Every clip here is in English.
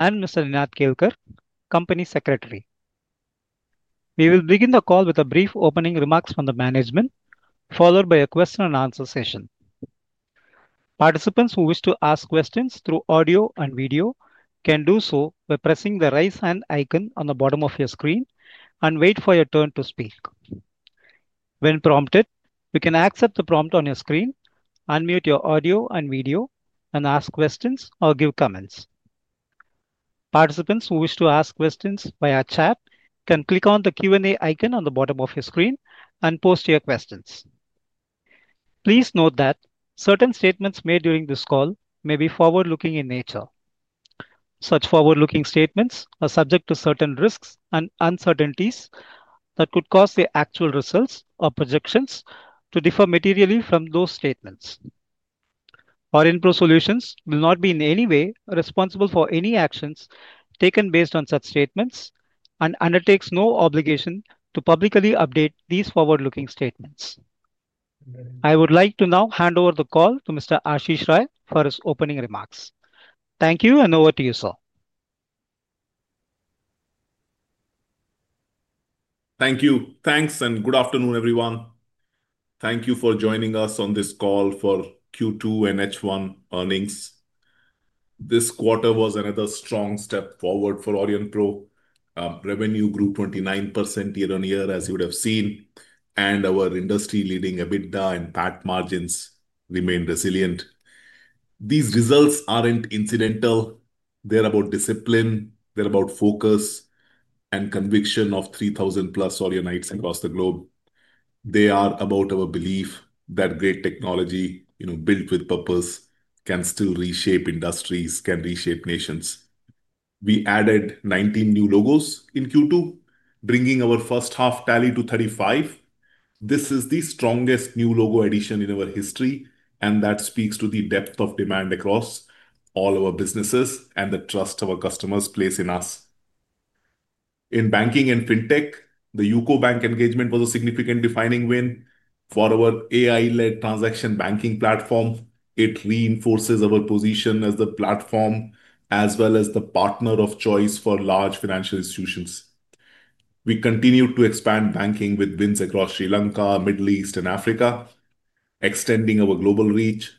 I'm Mr. Ninath Kelkar, Company Secretary. We will begin the call with brief opening remarks from the management, followed by a question-and-answer session. Participants who wish to ask questions through audio and video can do so by pressing the raise hand icon on the bottom of your screen and wait for your turn to speak. When prompted, you can accept the prompt on your screen, unmute your audio and video, and ask questions or give comments. Participants who wish to ask questions via chat can click on the Q&A icon on the bottom of your screen and post your questions. Please note that certain statements made during this call may be forward-looking in nature. Such forward-looking statements are subject to certain risks and uncertainties that could cause the actual results or projections to differ materially from those statements. Aurionpro Solutions will not be in any way responsible for any actions taken based on such statements and undertakes no obligation to publicly update these forward-looking statements. I would like to now hand over the call to Mr. Ashish Rai for his opening remarks. Thank you, and over to you, sir. Thank you. Thanks, and good afternoon, everyone. Thank you for joining us on this call for Q2 and H1 earnings. This quarter was another strong step forward for Aurionpro. Revenue grew 29% year-on-year, as you would have seen, and our industry-leading EBITDA and PAT margins remained resilient. These results are not incidental. They are about discipline. They are about focus and conviction of 3,000-plus Aurionites across the globe. They are about our belief that great technology, built with purpose, can still reshape industries, can reshape nations. We added 19 new logos in Q2, bringing our first-half tally to 35. This is the strongest new logo addition in our history, and that speaks to the depth of demand across all our businesses and the trust our customers place in us. In banking and fintech, the Yuko Bank engagement was a significant defining win for our AI-led transaction banking platform. It reinforces our position as the platform as well as the partner of choice for large financial institutions. We continued to expand banking with wins across Sri Lanka, the Middle East, and Africa, extending our global reach.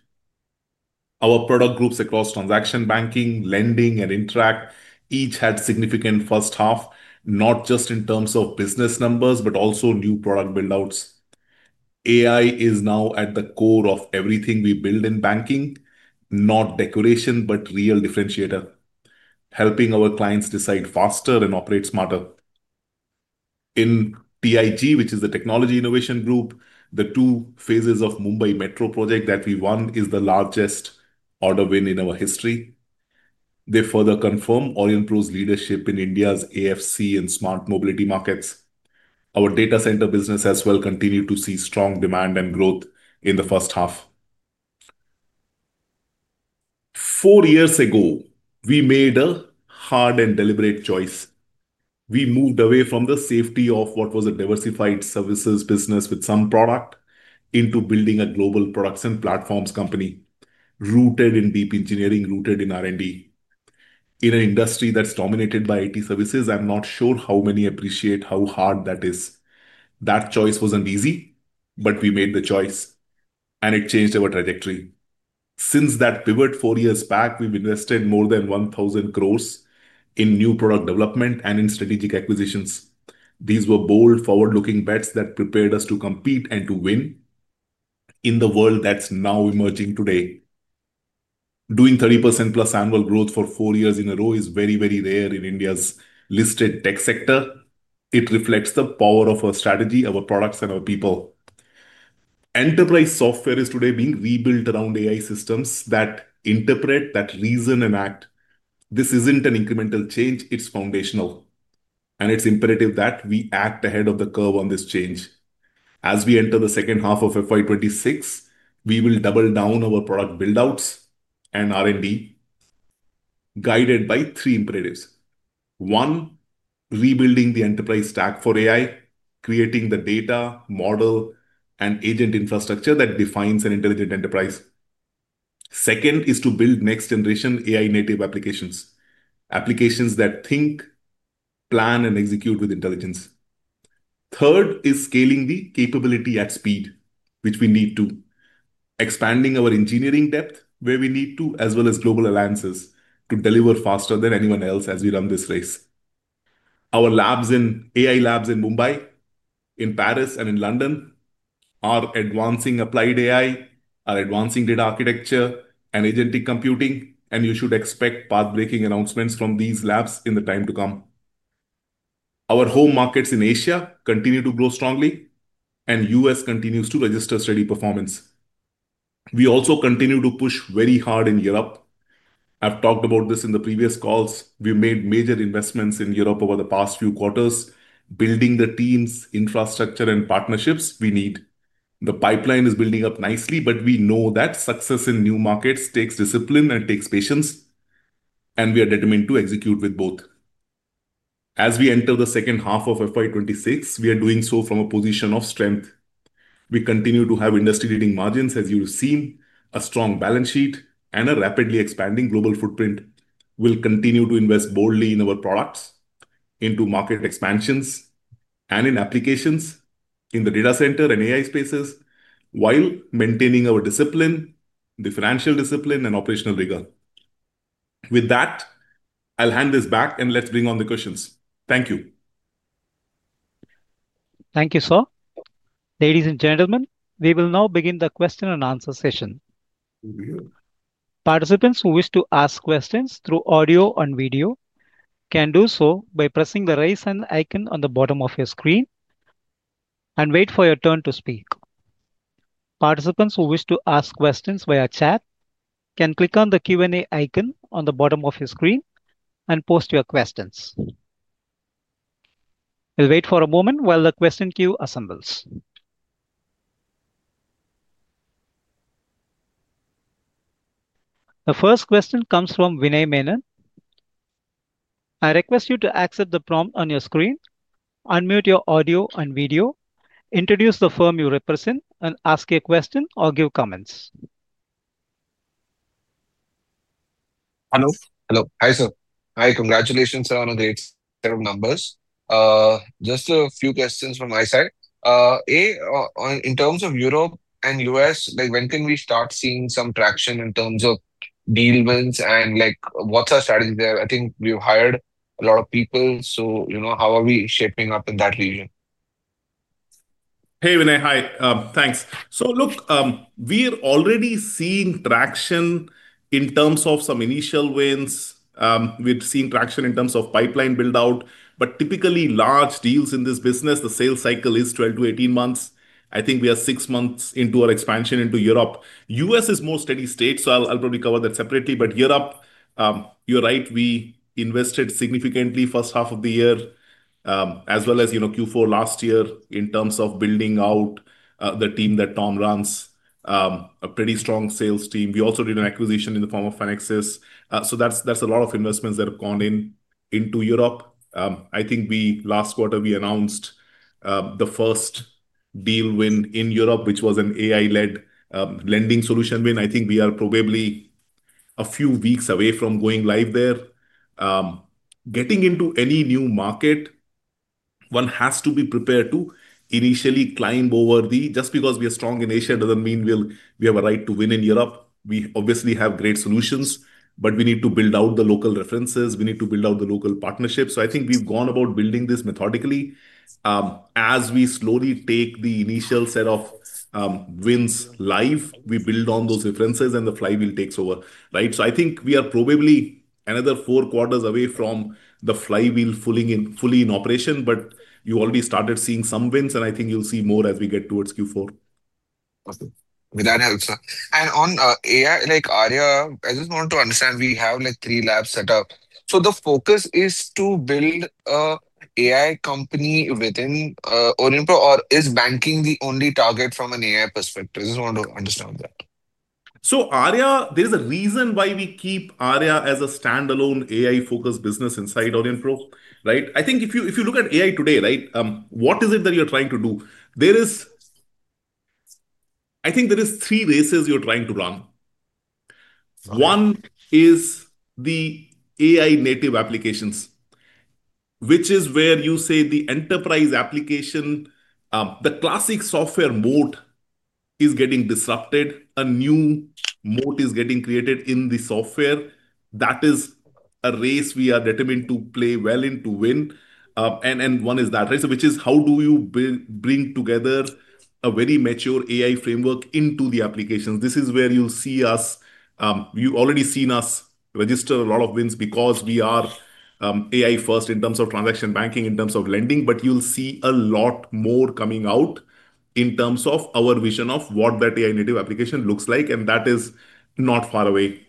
Our product groups across transaction banking, lending, and Interact each had significant first half, not just in terms of business numbers but also new product build-outs. AI is now at the core of everything we build in banking, not decoration but real differentiator, helping our clients decide faster and operate smarter. In TIG, which is the technology innovation group, the two phases of the Mumbai Metro project that we won are the largest order win in our history. They further confirm Aurionpro's leadership in India's AFC and smart mobility markets. Our data center business as well continued to see strong demand and growth in the first half. Four years ago, we made a hard and deliberate choice. We moved away from the safety of what was a diversified services business with some product into building a global products and platforms company. Rooted in deep engineering, rooted in R&D. In an industry that is dominated by IT services, I am not sure how many appreciate how hard that is. That choice was not easy, but we made the choice, and it changed our trajectory. Since that pivot four years back, we have invested more than 1,000 crore in new product development and in strategic acquisitions. These were bold, forward-looking bets that prepared us to compete and to win. In the world that is now emerging today. Doing 30% plus annual growth for four years in a row is very, very rare in India's listed tech sector. It reflects the power of our strategy, our products, and our people. Enterprise software is today being rebuilt around AI systems that interpret, that reason, and act. This is not an incremental change. It is foundational. It is imperative that we act ahead of the curve on this change. As we enter the second half of FY2026, we will double down on our product build-outs and R&D. Guided by three imperatives. One, rebuilding the enterprise stack for AI, creating the data, model, and agent infrastructure that defines an intelligent enterprise. Second is to build next-generation AI-native applications, applications that think, plan, and execute with intelligence. Third is scaling the capability at speed, which we need to, expanding our engineering depth where we need to, as well as global alliances to deliver faster than anyone else as we run this race. Our labs in AI labs in Mumbai, in Paris, and in London are advancing applied AI, are advancing data architecture, and Agentic Computing, and you should expect path-breaking announcements from these labs in the time to come. Our home markets in Asia continue to grow strongly, and the U.S. continues to register steady performance. We also continue to push very hard in Europe. I have talked about this in the previous calls. We have made major investments in Europe over the past few quarters, building the teams, infrastructure, and partnerships we need. The pipeline is building up nicely, but we know that success in new markets takes discipline and takes patience. We are determined to execute with both. As we enter the second half of FY2026, we are doing so from a position of strength. We continue to have industry-leading margins, as you have seen, a strong balance sheet, and a rapidly expanding global footprint. We will continue to invest boldly in our products, into market expansions, and in applications in the data center and AI spaces while maintaining our discipline, the financial discipline, and operational rigor. With that, I will hand this back, and let's bring on the questions. Thank you. Thank you, sir. Ladies and gentlemen, we will now begin the question-and-answer session. Participants who wish to ask questions through audio and video can do so by pressing the raise hand icon on the bottom of your screen and wait for your turn to speak. Participants who wish to ask questions via chat can click on the Q&A icon on the bottom of your screen and post your questions. We will wait for a moment while the question queue assembles. The first question comes from Vinay Menon. I request you to accept the prompt on your screen, unmute your audio and video, introduce the firm you represent, and ask a question or give comments. Hello. Hello. Hi, sir. Hi. Congratulations, sir, on a great set of numbers. Just a few questions from my side. In terms of Europe and U.S., when can we start seeing some traction in terms of deal wins and what's our strategy there? I think we've hired a lot of people, so how are we shaping up in that region? Hey, Vinay. Hi. Thanks. Look, we're already seeing traction in terms of some initial wins. We've seen traction in terms of pipeline build-out. Typically, large deals in this business, the sales cycle is 12-18 months. I think we are six months into our expansion into Europe. The U.S. is a more steady state, so I'll probably cover that separately. Europe, you're right, we invested significantly in the first half of the year, as well as Q4 last year in terms of building out the team that Tom runs. A pretty strong sales team. We also did an acquisition in the form of Finexis. That's a lot of investments that have gone into Europe. I think last quarter, we announced the first deal win in Europe, which was an AI-led lending solution win. I think we are probably a few weeks away from going live there. Getting into any new market, one has to be prepared to initially climb over the... Just because we are strong in Asia doesn't mean we have a right to win in Europe. We obviously have great solutions, but we need to build out the local references. We need to build out the local partnerships. I think we've gone about building this methodically. As we slowly take the initial set of wins live, we build on those references, and the flywheel takes over. I think we are probably another four quarters away from the flywheel fully in operation, but you already started seeing some wins, and I think you'll see more as we get towards Q4. Awesome. With that help, sir. And on AI, like Arya, I just want to understand. We have three labs set up. So the focus is to build an AI company within Aurionpro, or is banking the only target from an AI perspective? I just want to understand that. Arya, there is a reason why we keep Arya as a standalone AI-focused business inside Aurionpro. I think if you look at AI today, what is it that you're trying to do? I think there are three races you're trying to run. One is the AI-native applications, which is where you say the enterprise application. The classic software mode is getting disrupted. A new mode is getting created in the software. That is a race we are determined to play well in to win. One is that, which is how do you bring together a very mature AI framework into the applications. This is where you'll see us. You've already seen us register a lot of wins because we are AI-first in terms of transaction banking, in terms of lending. You'll see a lot more coming out in terms of our vision of what that AI-native application looks like. That is not far away.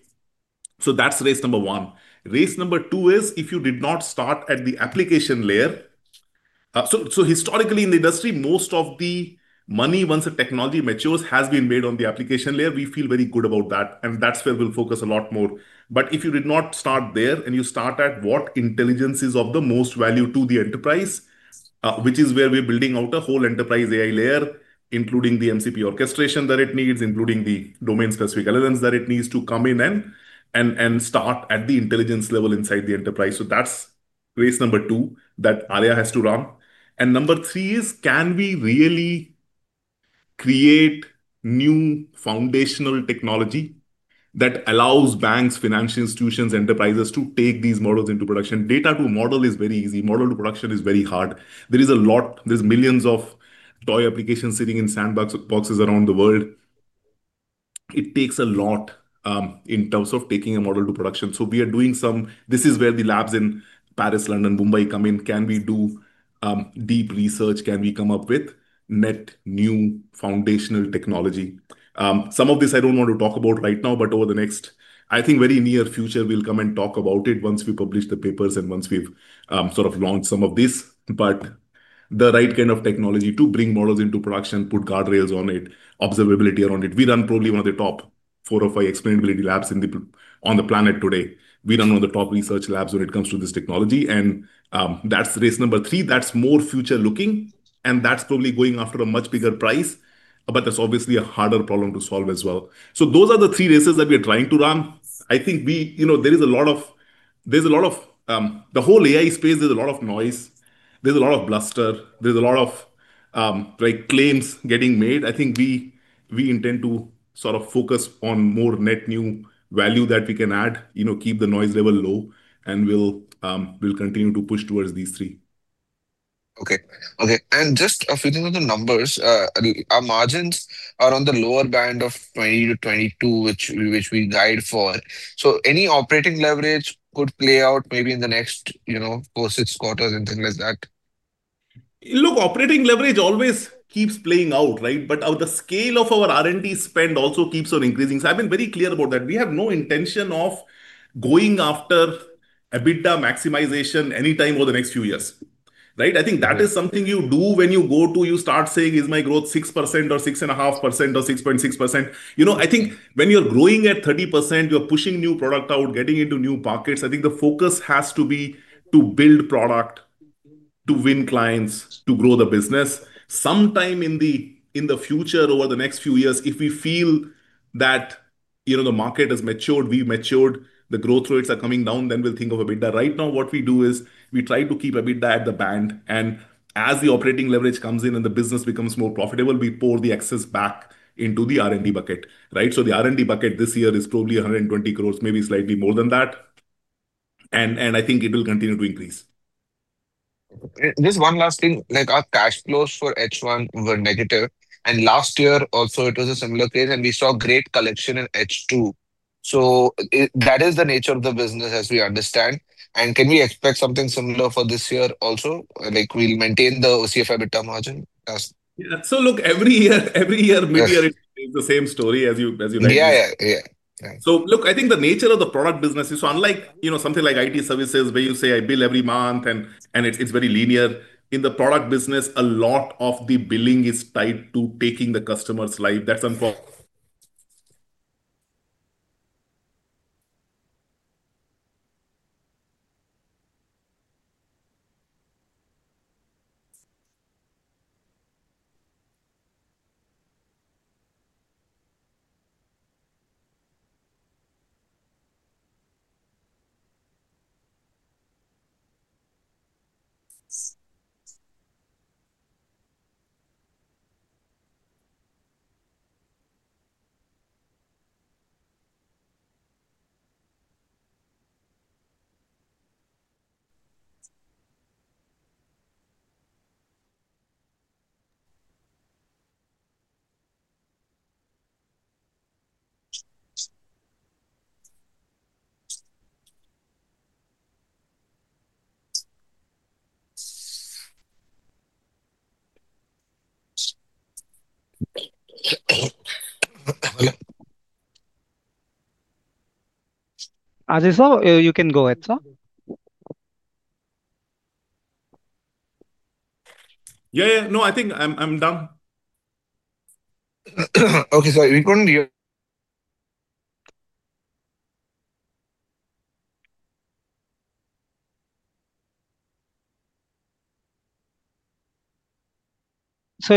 That's race number one. Race number two is if you did not start at the application layer. Historically, in the industry, most of the money, once a technology matures, has been made on the application layer. We feel very good about that, and that's where we'll focus a lot more. If you did not start there and you start at what intelligence is of the most value to the enterprise, which is where we're building out a whole enterprise AI layer, including the MCP orchestration that it needs, including the domain-specific elements that it needs to come in and start at the intelligence level inside the enterprise. That's race number two that Arya has to run. Number three is, can we really create new foundational technology that allows banks, financial institutions, enterprises to take these models into production? Data to model is very easy. Model to production is very hard. There are millions of toy applications sitting in sandboxes around the world. It takes a lot in terms of taking a model to production. We are doing some... This is where the labs in Paris, London, and Mumbai come in. Can we do deep research? Can we come up with net new foundational technology? Some of this, I don't want to talk about right now, but over the next, I think, very near future, we'll come and talk about it once we publish the papers and once we've sort of launched some of this. The right kind of technology to bring models into production, put guardrails on it, observability around it. We run probably one of the top four or five Explainability Labs on the planet today. We run one of the top research labs when it comes to this technology. That's race number three. That's more future-looking, and that's probably going after a much bigger prize. That's obviously a harder problem to solve as well. Those are the three races that we are trying to run. I think there is a lot of... The whole AI space, there's a lot of noise. There's a lot of bluster. There's a lot of claims getting made. I think we intend to sort of focus on more net new value that we can add, keep the noise level low, and we'll continue to push towards these three. Okay. Just a few things on the numbers. Our margins are on the lower band of 20%-22%, which we guide for. Any operating leverage could play out maybe in the next four, six quarters and things like that. Look, operating leverage always keeps playing out. The scale of our R&D spend also keeps on increasing. I have been very clear about that. We have no intention of going after EBITDA maximization anytime over the next few years. I think that is something you do when you go to... You start saying, "Is my growth 6% or 6.5% or 6.6%?" I think when you are growing at 30%, you are pushing new product out, getting into new pockets. I think the focus has to be to build product, to win clients, to grow the business. Sometime in the future, over the next few years, if we feel that the market has matured, we have matured, the growth rates are coming down, then we will think of EBITDA. Right now, what we do is we try to keep EBITDA at the band. As the operating leverage comes in and the business becomes more profitable, we pour the excess back into the R&D bucket. The R&D bucket this year is probably 120 crore, maybe slightly more than that. I think it will continue to increase. Just one last thing. Our cash flows for H1 were negative. Last year also, it was a similar case. We saw great collection in H2. That is the nature of the business as we understand. Can we expect something similar for this year also? We'll maintain the CFRB term margin. Look, every year, mid-year, it's the same story as you mentioned. I think the nature of the product business is unlike something like IT services where you say, "I bill every month," and it's very linear. In the product business, a lot of the billing is tied to taking the customer's life. That's unfortunate. Aziz, you can go ahead, sir., No, I think I'm done. Okay, sorry. We couldn't hear you.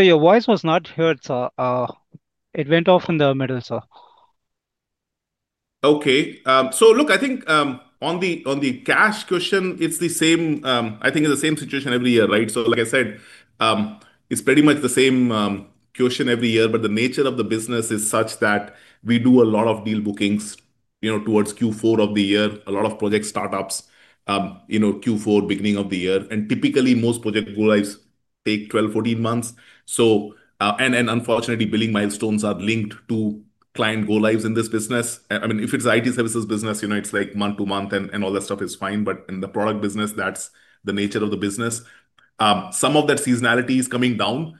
Your voice was not heard, sir. It went off in the middle, sir. Okay. Look, I think on the cash question, it's the same. I think it's the same situation every year. Like I said, it's pretty much the same question every year. The nature of the business is such that we do a lot of deal bookings towards Q4 of the year, a lot of project startups, Q4, beginning of the year. Typically, most project go-lives take 12-14 months. Unfortunately, billing milestones are linked to client go-lives in this business. I mean, if it's an IT services business, it's like month to month, and all that stuff is fine. In the product business, that's the nature of the business. Some of that seasonality is coming down.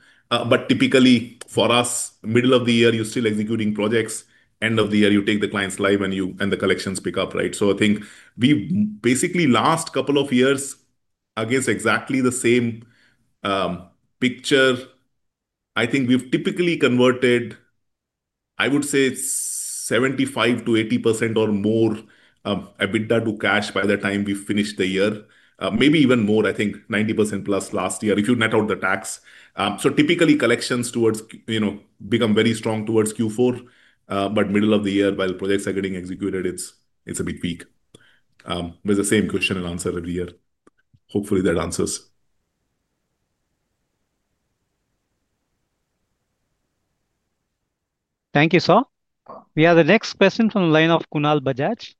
Typically, for us, middle of the year, you're still executing projects. End of the year, you take the clients live and the collections pick up. I think we basically, last couple of years, against exactly the same picture. I think we've typically converted, I would say, 75%-80% or more EBITDA to cash by the time we finish the year. Maybe even more, I think 90% plus last year, if you net out the tax. Typically, collections become very strong towards Q4. Middle of the year, while projects are getting executed, it's a bit weak. The same question and answer every year. Hopefully, that answers. Thank you, sir. We have the next question from the line of Kunal Bajaj.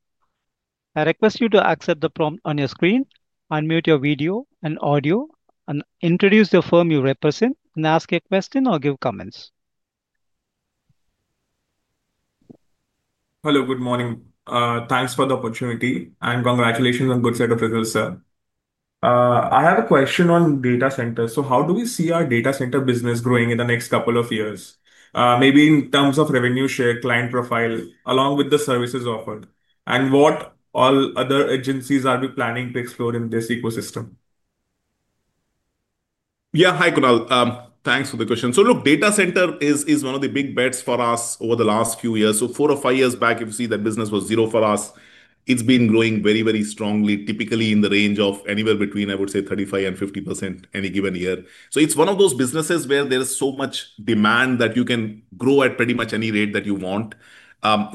I request you to accept the prompt on your screen, unmute your video and audio, and introduce the firm you represent, and ask a question or give comments. Hello, good morning. Thanks for the opportunity. Congratulations on a good set of results, sir. I have a question on data centers. How do we see our data center business growing in the next couple of years? Maybe in terms of revenue share, client profile, along with the services offered. What all other agencies are we planning to explore in this ecosystem? Kunal. Thanks for the question. Look, data center is one of the big bets for us over the last few years. Four or five years back, if you see, that business was zero for us. It's been growing very, very strongly, typically in the range of anywhere between, I would say, 35% and 50% any given year. It's one of those businesses where there is so much demand that you can grow at pretty much any rate that you want.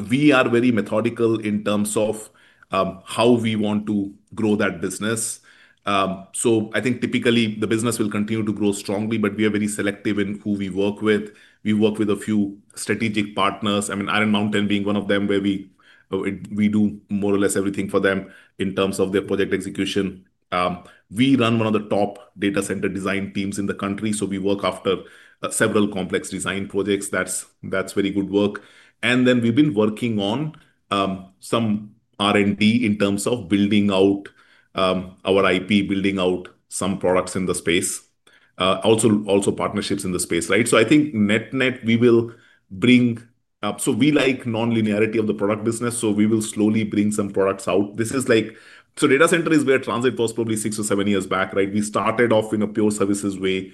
We are very methodical in terms of how we want to grow that business. I think typically, the business will continue to grow strongly, but we are very selective in who we work with. We work with a few strategic partners. I mean, Iron Mountain being one of them, where we do more or less everything for them in terms of their project execution. We run one of the top data center design teams in the country. We look after several complex design projects. That's very good work. We've been working on some R&D in terms of building out our IP, building out some products in the space, also partnerships in the space. I think net net, we will bring—so we like non-linearity of the product business. We will slowly bring some products out. Data center is where Transit was probably six or seven years back. We started off in a pure services way,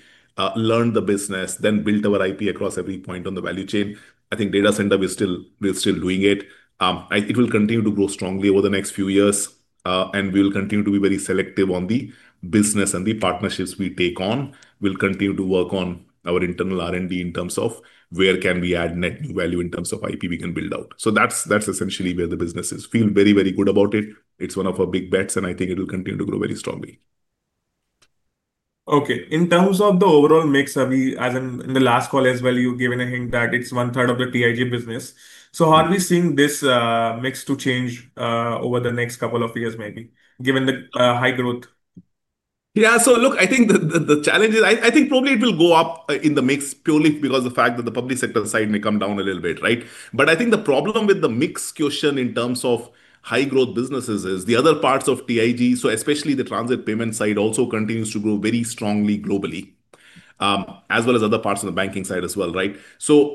learned the business, then built our IP across every point on the value chain. I think data center, we're still doing it. It will continue to grow strongly over the next few years. We will continue to be very selective on the business and the partnerships we take on. We'll continue to work on our internal R&D in terms of where we can add net new value in terms of IP we can build out. That's essentially where the business is. Feel very, very good about it. It's one of our big bets. I think it will continue to grow very strongly. Okay. In terms of the overall mix, as in the last call as well, you gave a hint that it is one third of the TIG business. How are we seeing this mix change over the next couple of years, maybe, given the high growth? Look, I think the challenge is, I think probably it will go up in the mix purely because of the fact that the public sector side may come down a little bit. I think the problem with the mix question in terms of high growth businesses is the other parts of TIG, so especially the transit payment side, also continues to grow very strongly globally, as well as other parts of the banking side as well.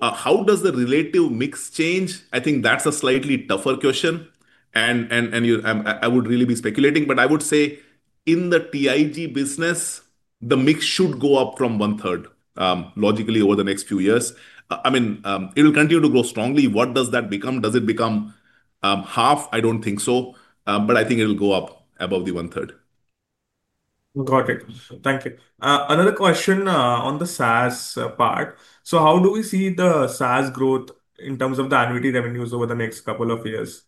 How does the relative mix change? I think that's a slightly tougher question. I would really be speculating. I would say in the TIG business, the mix should go up from one third, logically, over the next few years. I mean, it will continue to grow strongly. What does that become? Does it become half? I don't think so. I think it will go up above the one third. Got it. Thank you. Another question on the SaaS part. How do we see the SaaS growth in terms of the annuity revenues over the next couple of years?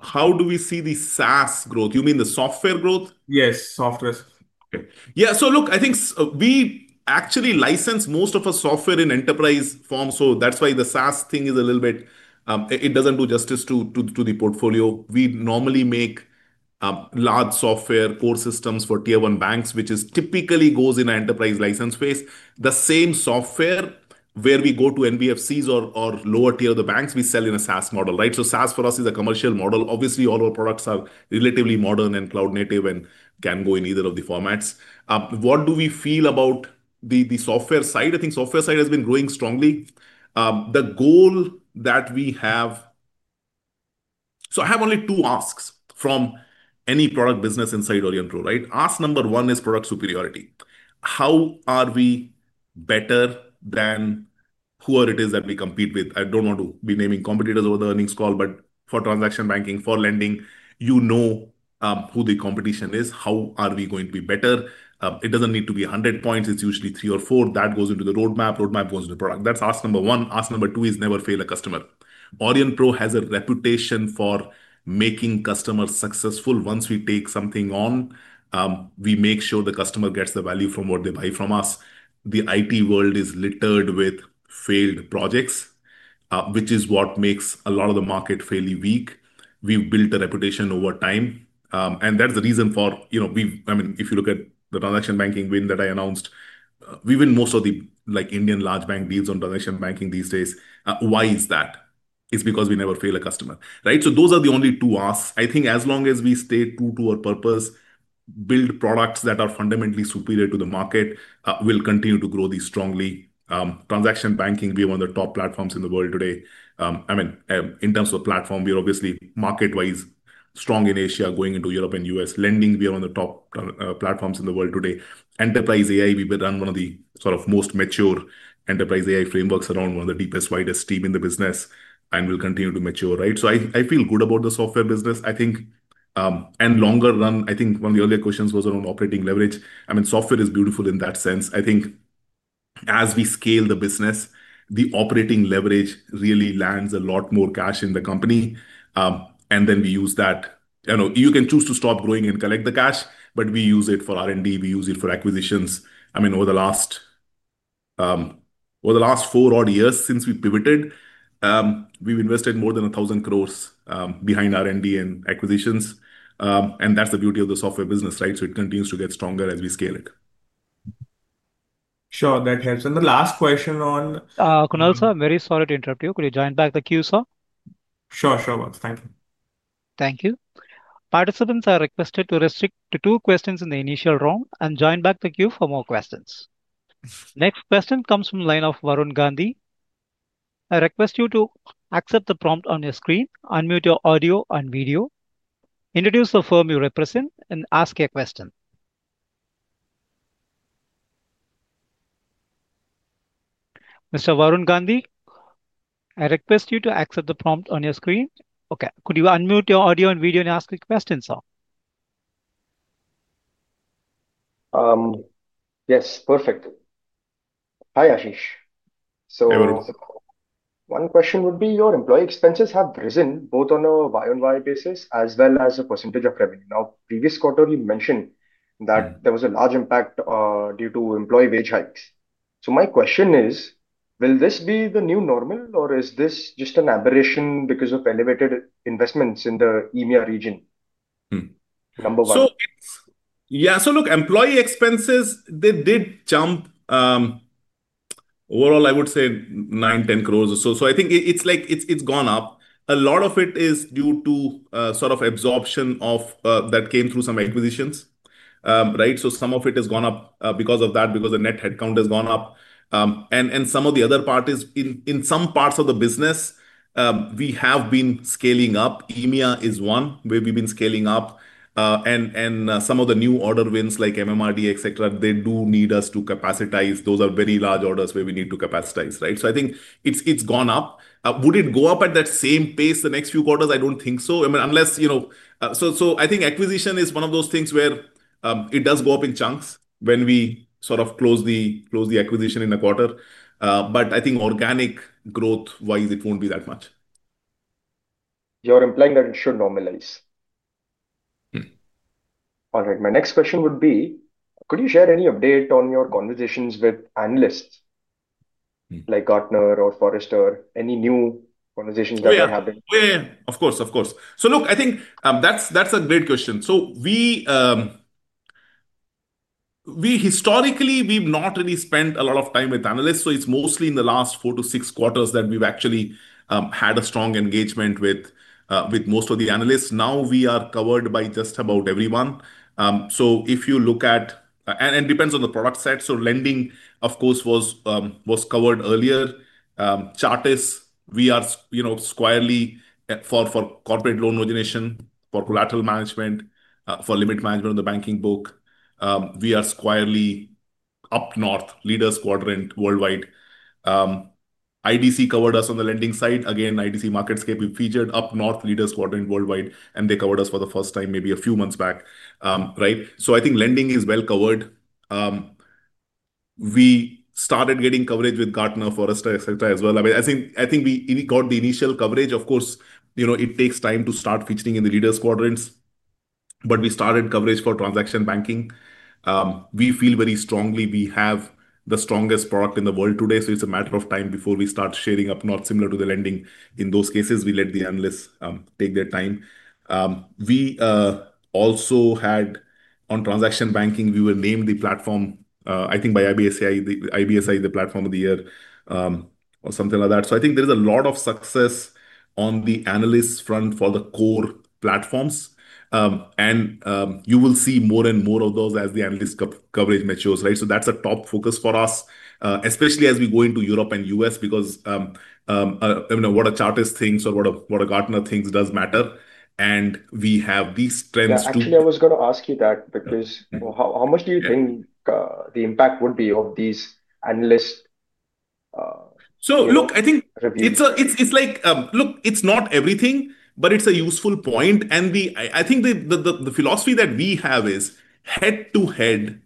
How do we see the SaaS growth? You mean the software growth? Yes, software. Okay. So look, I think we actually license most of our software in enterprise form. So that's why the SaaS thing is a little bit, it doesn't do justice to the portfolio. We normally make large software core systems for tier one banks, which typically goes in an enterprise license space. The same software where we go to NBFCs or lower tier of the banks, we sell in a SaaS model. So SaaS for us is a commercial model. Obviously, all our products are relatively modern and cloud native and can go in either of the formats. What do we feel about the software side? I think software side has been growing strongly. The goal that we have. So I have only two asks from any product business inside Aurionpro. Ask number one is product superiority. How are we better than whoever it is that we compete with? I don't want to be naming competitors over the earnings call, but for transaction banking, for lending, you know who the competition is. How are we going to be better? It doesn't need to be 100 points. It's usually three or four. That goes into the roadmap. Roadmap goes into product. That's ask number one. Ask number two is never fail a customer. Aurionpro has a reputation for making customers successful. Once we take something on, we make sure the customer gets the value from what they buy from us. The IT world is littered with failed projects, which is what makes a lot of the market fairly weak. We've built a reputation over time. That's the reason for, I mean, if you look at the transaction banking win that I announced, we win most of the Indian large bank deals on transaction banking these days. Why is that? It's because we never fail a customer. So those are the only two asks. I think as long as we stay true to our purpose, build products that are fundamentally superior to the market, we'll continue to grow these strongly. Transaction banking, we are one of the top platforms in the world today. I mean, in terms of platform, we are obviously market-wise strong in Asia, going into Europe and US. Lending, we are one of the top platforms in the world today. Enterprise AI, we run one of the most mature enterprise AI frameworks around, one of the deepest, widest team in the business. We'll continue to mature. So I feel good about the software business. I think, and longer run, I think one of the earlier questions was around operating leverage. I mean, software is beautiful in that sense. I think as we scale the business, the operating leverage really lands a lot more cash in the company. Then we use that. You can choose to stop growing and collect the cash, but we use it for R&D. We use it for acquisitions. I mean, over the last four odd years since we pivoted. We've invested more than 1,000 crore behind R&D and acquisitions. That's the beauty of the software business. It continues to get stronger as we scale it. Sure, that helps. The last question on. Kunal, sir, very sorry to interrupt you. Could you join back the queue, sir? Sure, sure. Thank you. Thank you. Participants are requested to restrict to two questions in the initial round and join back the queue for more questions. Next question comes from the line of Varun Gandhi. I request you to accept the prompt on your screen, unmute your audio and video, introduce the firm you represent, and ask a question. Mr. Varun Gandhi, I request you to accept the prompt on your screen. Okay. Could you unmute your audio and video and ask a question, sir? Yes, perfect. Hi, Ashish. So. One question would be your employee expenses have risen both on a by-and-by basis as well as a percentage of revenue. Now, previous quarter, you mentioned that there was a large impact due to employee wage hikes. So my question is, will this be the new normal, or is this just an aberration because of elevated investments in the EMEA region? Number one. So look, employee expenses, they did jump. Overall, I would say 9-10 crore or so. So I think it's gone up. A lot of it is due to absorption that came through some acquisitions. So some of it has gone up because of that, because the net headcount has gone up. And some of the other part is in some parts of the business. We have been scaling up. EMEA is one where we've been scaling up. And some of the new order wins like MMRDA, et cetera, they do need us to capacitize. Those are very large orders where we need to capacitize. So I think it's gone up. Would it go up at that same pace the next few quarters? I don't think so. I mean, unless. So I think acquisition is one of those things where it does go up in chunks when we close the acquisition in a quarter. But I think organic growth-wise, it won't be that much. You're implying that it should normalize. All right. My next question would be, could you share any update on your conversations with analysts like Gartner or Forrester, any new conversations that are happening? Of course, of course. I think that's a great question. Historically, we've not really spent a lot of time with analysts. It's mostly in the last four to six quarters that we've actually had a strong engagement with most of the analysts. Now we are covered by just about everyone. If you look at, and it depends on the product set. Lending, of course, was covered earlier. Chartis, we are squarely for corporate loan origination, for collateral management, for limit management of the banking book. We are squarely up North, Leaders Quadrant worldwide. IDC covered us on the lending side. Again, IDC MarketScape, we featured up North Leaders Quadrant worldwide. They covered us for the first time, maybe a few months back. I think lending is well covered. We started getting coverage with Gartner, Forrester, et cetera, as well. I think we got the initial coverage. Of course, it takes time to start featuring in the Leaders Quadrants. We started coverage for transaction banking. We feel very strongly we have the strongest product in the world today. It's a matter of time before we start sharing up North similar to the lending. In those cases, we let the analysts take their time. We also had, on transaction banking, we were named the platform, I think by IBSI, the platform of the year or something like that. I think there is a lot of success on the analyst front for the core platforms. You will see more and more of those as the analyst coverage matures. That's a top focus for us, especially as we go into Europe and U.S., because what a Chartis thinks or what a Gartner thinks does matter. We have these trends to. Actually, I was going to ask you that, because how much do you think the impact would be of these analysts? So look, I think it's like, look, it's not everything, but it's a useful point. I think the philosophy that we have is head to head,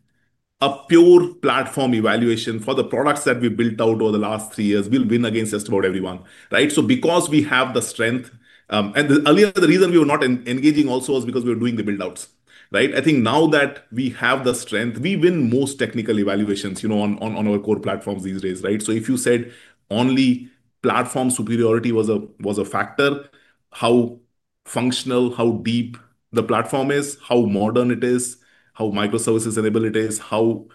a pure platform evaluation for the products that we built out over the last three years. We'll win against just about everyone. Because we have the strength, and earlier, the reason we were not engaging also was because we were doing the buildouts. I think now that we have the strength, we win most technical evaluations on our core platforms these days. If you said only platform superiority was a factor, how functional, how deep the platform is, how modern it is, how microservices enabled it is, how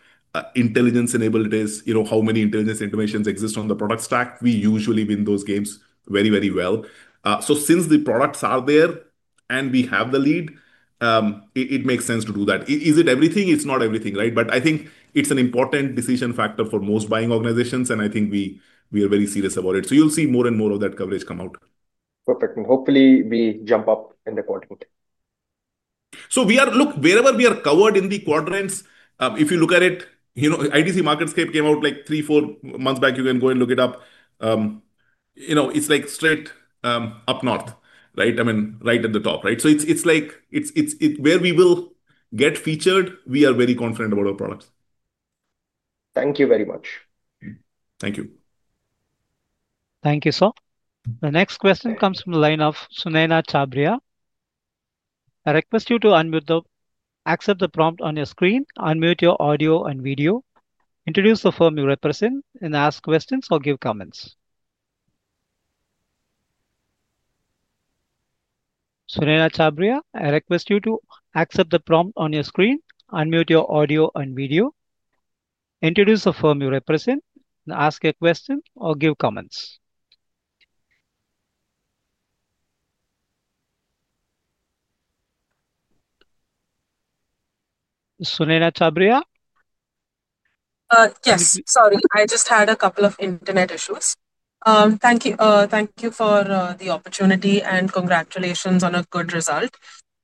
intelligence enabled it is, how many intelligence informations exist on the product stack, we usually win those games very, very well. Since the products are there and we have the lead, it makes sense to do that. Is it everything? It's not everything. I think it's an important decision factor for most buying organizations. I think we are very serious about it. You'll see more and more of that coverage come out. Perfect. Hopefully, we jump up in the quadrant. Look, wherever we are covered in the quadrants, if you look at it, IDC MarketScape came out like three, four months back. You can go and look it up. It's like straight up North, I mean, right at the top. It's like where we will get featured, we are very confident about our products. Thank you very much. Thank you. Thank you, sir. The next question comes from the line of Sunaina Chhabria. I request you to accept the prompt on your screen, unmute your audio and video, introduce the firm you represent, and ask questions or give comments. Sunaina Chhabria, I request you to accept the prompt on your screen, unmute your audio and video, introduce the firm you represent, and ask a question or give comments. Sunaina Chhabria. Yes, sorry. I just had a couple of internet issues. Thank you for the opportunity and congratulations on a good result.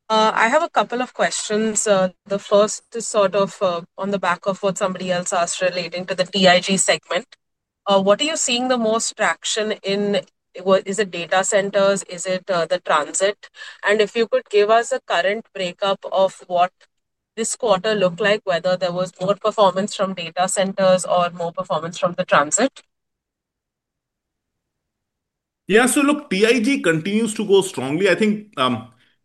I have a couple of questions. The first is sort of on the back of what somebody else asked relating to the TIG segment. What are you seeing the most traction in? Is it data centers? Is it the transit? If you could give us a current breakup of what this quarter looked like, whether there was more performance from data centers or more performance from the transit., so look, TIG continues to go strongly. I think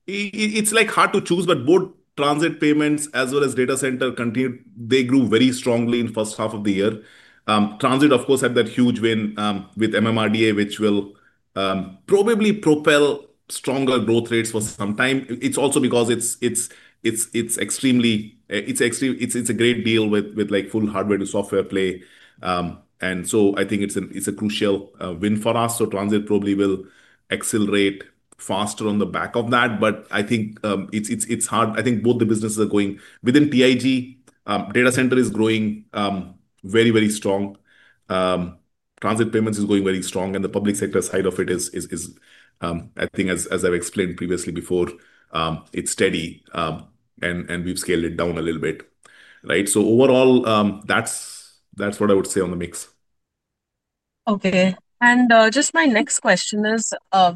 it's hard to choose, but both transit payments as well as data center, they grew very strongly in the first half of the year. Transit, of course, had that huge win with MMRDA, which will probably propel stronger growth rates for some time. It's also because it's extremely a great deal with full hardware to software play. I think it's a crucial win for us. Transit probably will accelerate faster on the back of that. I think it's hard. I think both the businesses are going within TIG, data center is growing very, very strong. Transit payments is going very strong. The public sector side of it is, I think, as I've explained previously before, it's steady. We've scaled it down a little bit. Overall, that's what I would say on the mix. Okay. Just my next question is,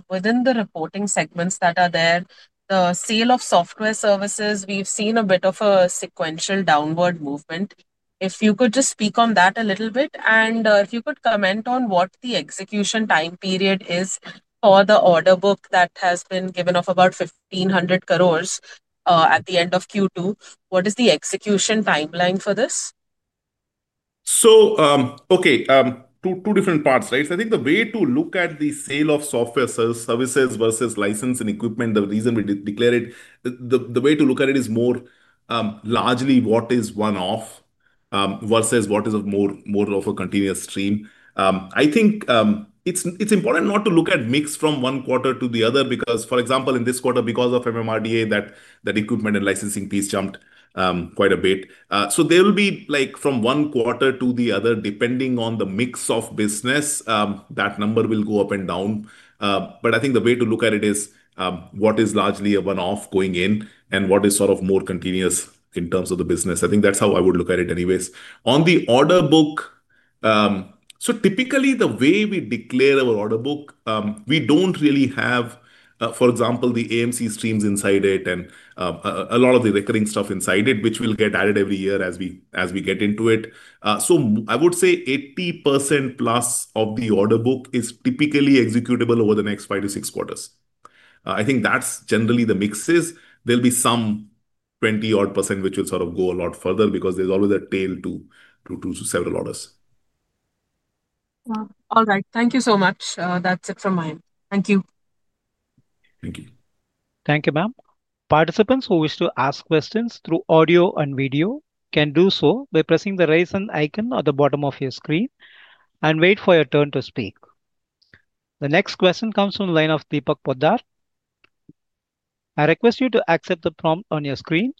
within the reporting segments that are there, the sale of software services, we've seen a bit of a sequential downward movement. If you could just speak on that a little bit. If you could comment on what the execution time period is for the order book that has been given of about 1,500 crore at the end of Q2, what is the execution timeline for this? Okay. Two different parts. I think the way to look at the sale of software services versus license and equipment, the reason we declare it, the way to look at it is more. Largely what is one-off versus what is more of a continuous stream. I think it's important not to look at mix from one quarter to the other because, for example, in this quarter, because of MMRDA, that equipment and licensing piece jumped quite a bit. There will be from one quarter to the other, depending on the mix of business, that number will go up and down. I think the way to look at it is what is largely a one-off going in and what is sort of more continuous in terms of the business. I think that's how I would look at it anyways. On the order book. Typically, the way we declare our order book, we do not really have, for example, the AMC streams inside it and a lot of the recurring stuff inside it, which will get added every year as we get into it. I would say 80% plus of the order book is typically executable over the next five to six quarters. I think that's generally the mix. There will be some 20% odd which will sort of go a lot further because there's always a tail to several orders. All right. Thank you so much. That's it from mine. Thank you. Thank you. Thank you, ma'am. Participants who wish to ask questions through audio and video can do so by pressing the raise hand icon at the bottom of your screen and wait for your turn to speak. The next question comes from the line of Deepak Poddar. I request you to accept the prompt on your screen,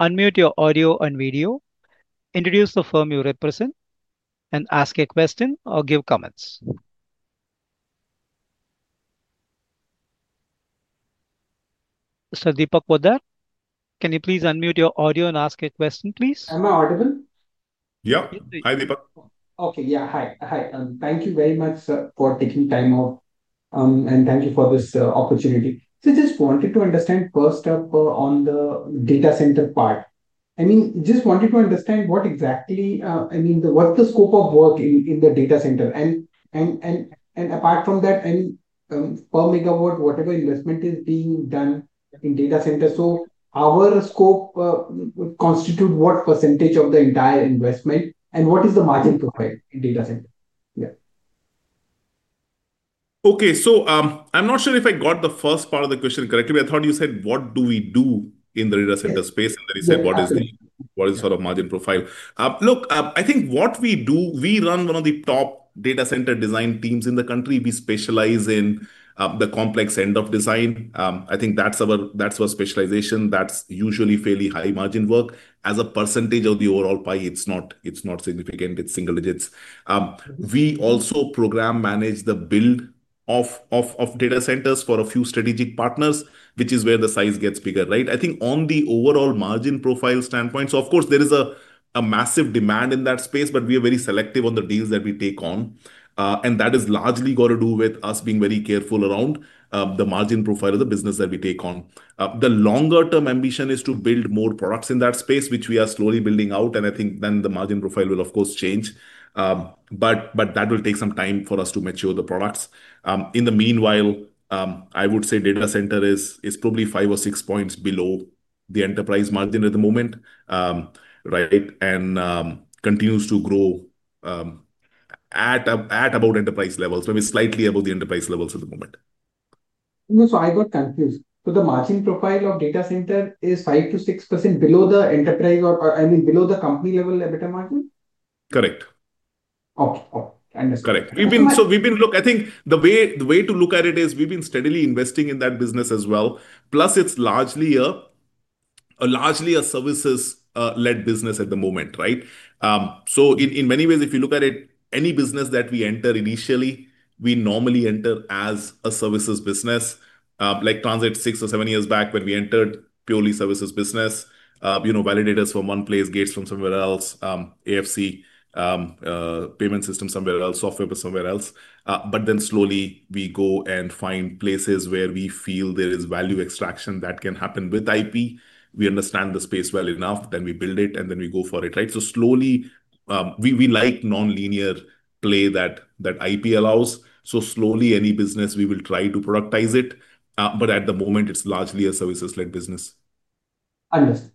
unmute your audio and video, introduce the firm you represent, and ask a question or give comments. Deepak Poddar, can you please unmute your audio and ask a question, please? Am I audible? Hi, Deepak. Okay.. Hi. Hi. Thank you very much for taking time out. Thank you for this opportunity. I just wanted to understand first up on the data center part. I mean, just wanted to understand what exactly, I mean, what's the scope of work in the data center? Apart from that, I mean, per megawatt, whatever investment is being done in data center, our scope constitutes what percentage of the entire investment and what is the margin profile in data center?. Okay. So I'm not sure if I got the first part of the question correctly. I thought you said, what do we do in the data center space? And then you said, what is the sort of margin profile? Look, I think what we do, we run one of the top data center design teams in the country. We specialize in the complex end of design. I think that's our specialization. That's usually fairly high margin work. As a percentage of the overall pie, it's not significant. It's single digits. We also program manage the build of data centers for a few strategic partners, which is where the size gets bigger. I think on the overall margin profile standpoint, of course, there is a massive demand in that space, but we are very selective on the deals that we take on. That is largely got to do with us being very careful around the margin profile of the business that we take on. The longer-term ambition is to build more products in that space, which we are slowly building out. I think then the margin profile will, of course, change. That will take some time for us to mature the products. In the meanwhile, I would say data center is probably five or six percentage points below the enterprise margin at the moment. It continues to grow at about enterprise levels, maybe slightly above the enterprise levels at the moment. I got confused. The margin profile of data center is 5%-6% below the enterprise or, I mean, below the company level at better margin? Correct. Okay. Okay. I understand. Correct. So we've been, look, I think the way to look at it is we've been steadily investing in that business as well. Plus, it's largely a services-led business at the moment. In many ways, if you look at it, any business that we enter initially, we normally enter as a services business. Like Transit, six or seven years back when we entered purely services business. Validators from one place, gates from somewhere else, AFC, payment system somewhere else, software somewhere else. Then slowly, we go and find places where we feel there is value extraction that can happen with IP. We understand the space well enough, then we build it, and then we go for it. Slowly, we like non-linear play that IP allows. Slowly, any business, we will try to productize it. At the moment, it's largely a services-led business. Understood.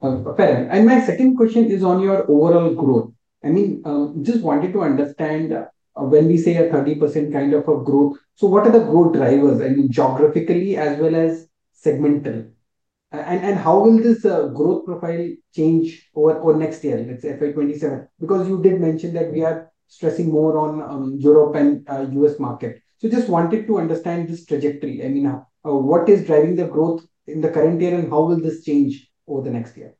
Fair. My second question is on your overall growth. I mean, just wanted to understand. When we say a 30% kind of a growth, what are the growth drivers, geographically as well as segmental? How will this growth profile change over next year, let's say FY 2027? You did mention that we are stressing more on Europe and U.S. market. Just wanted to understand this trajectory. What is driving the growth in the current year and how will this change over the next year?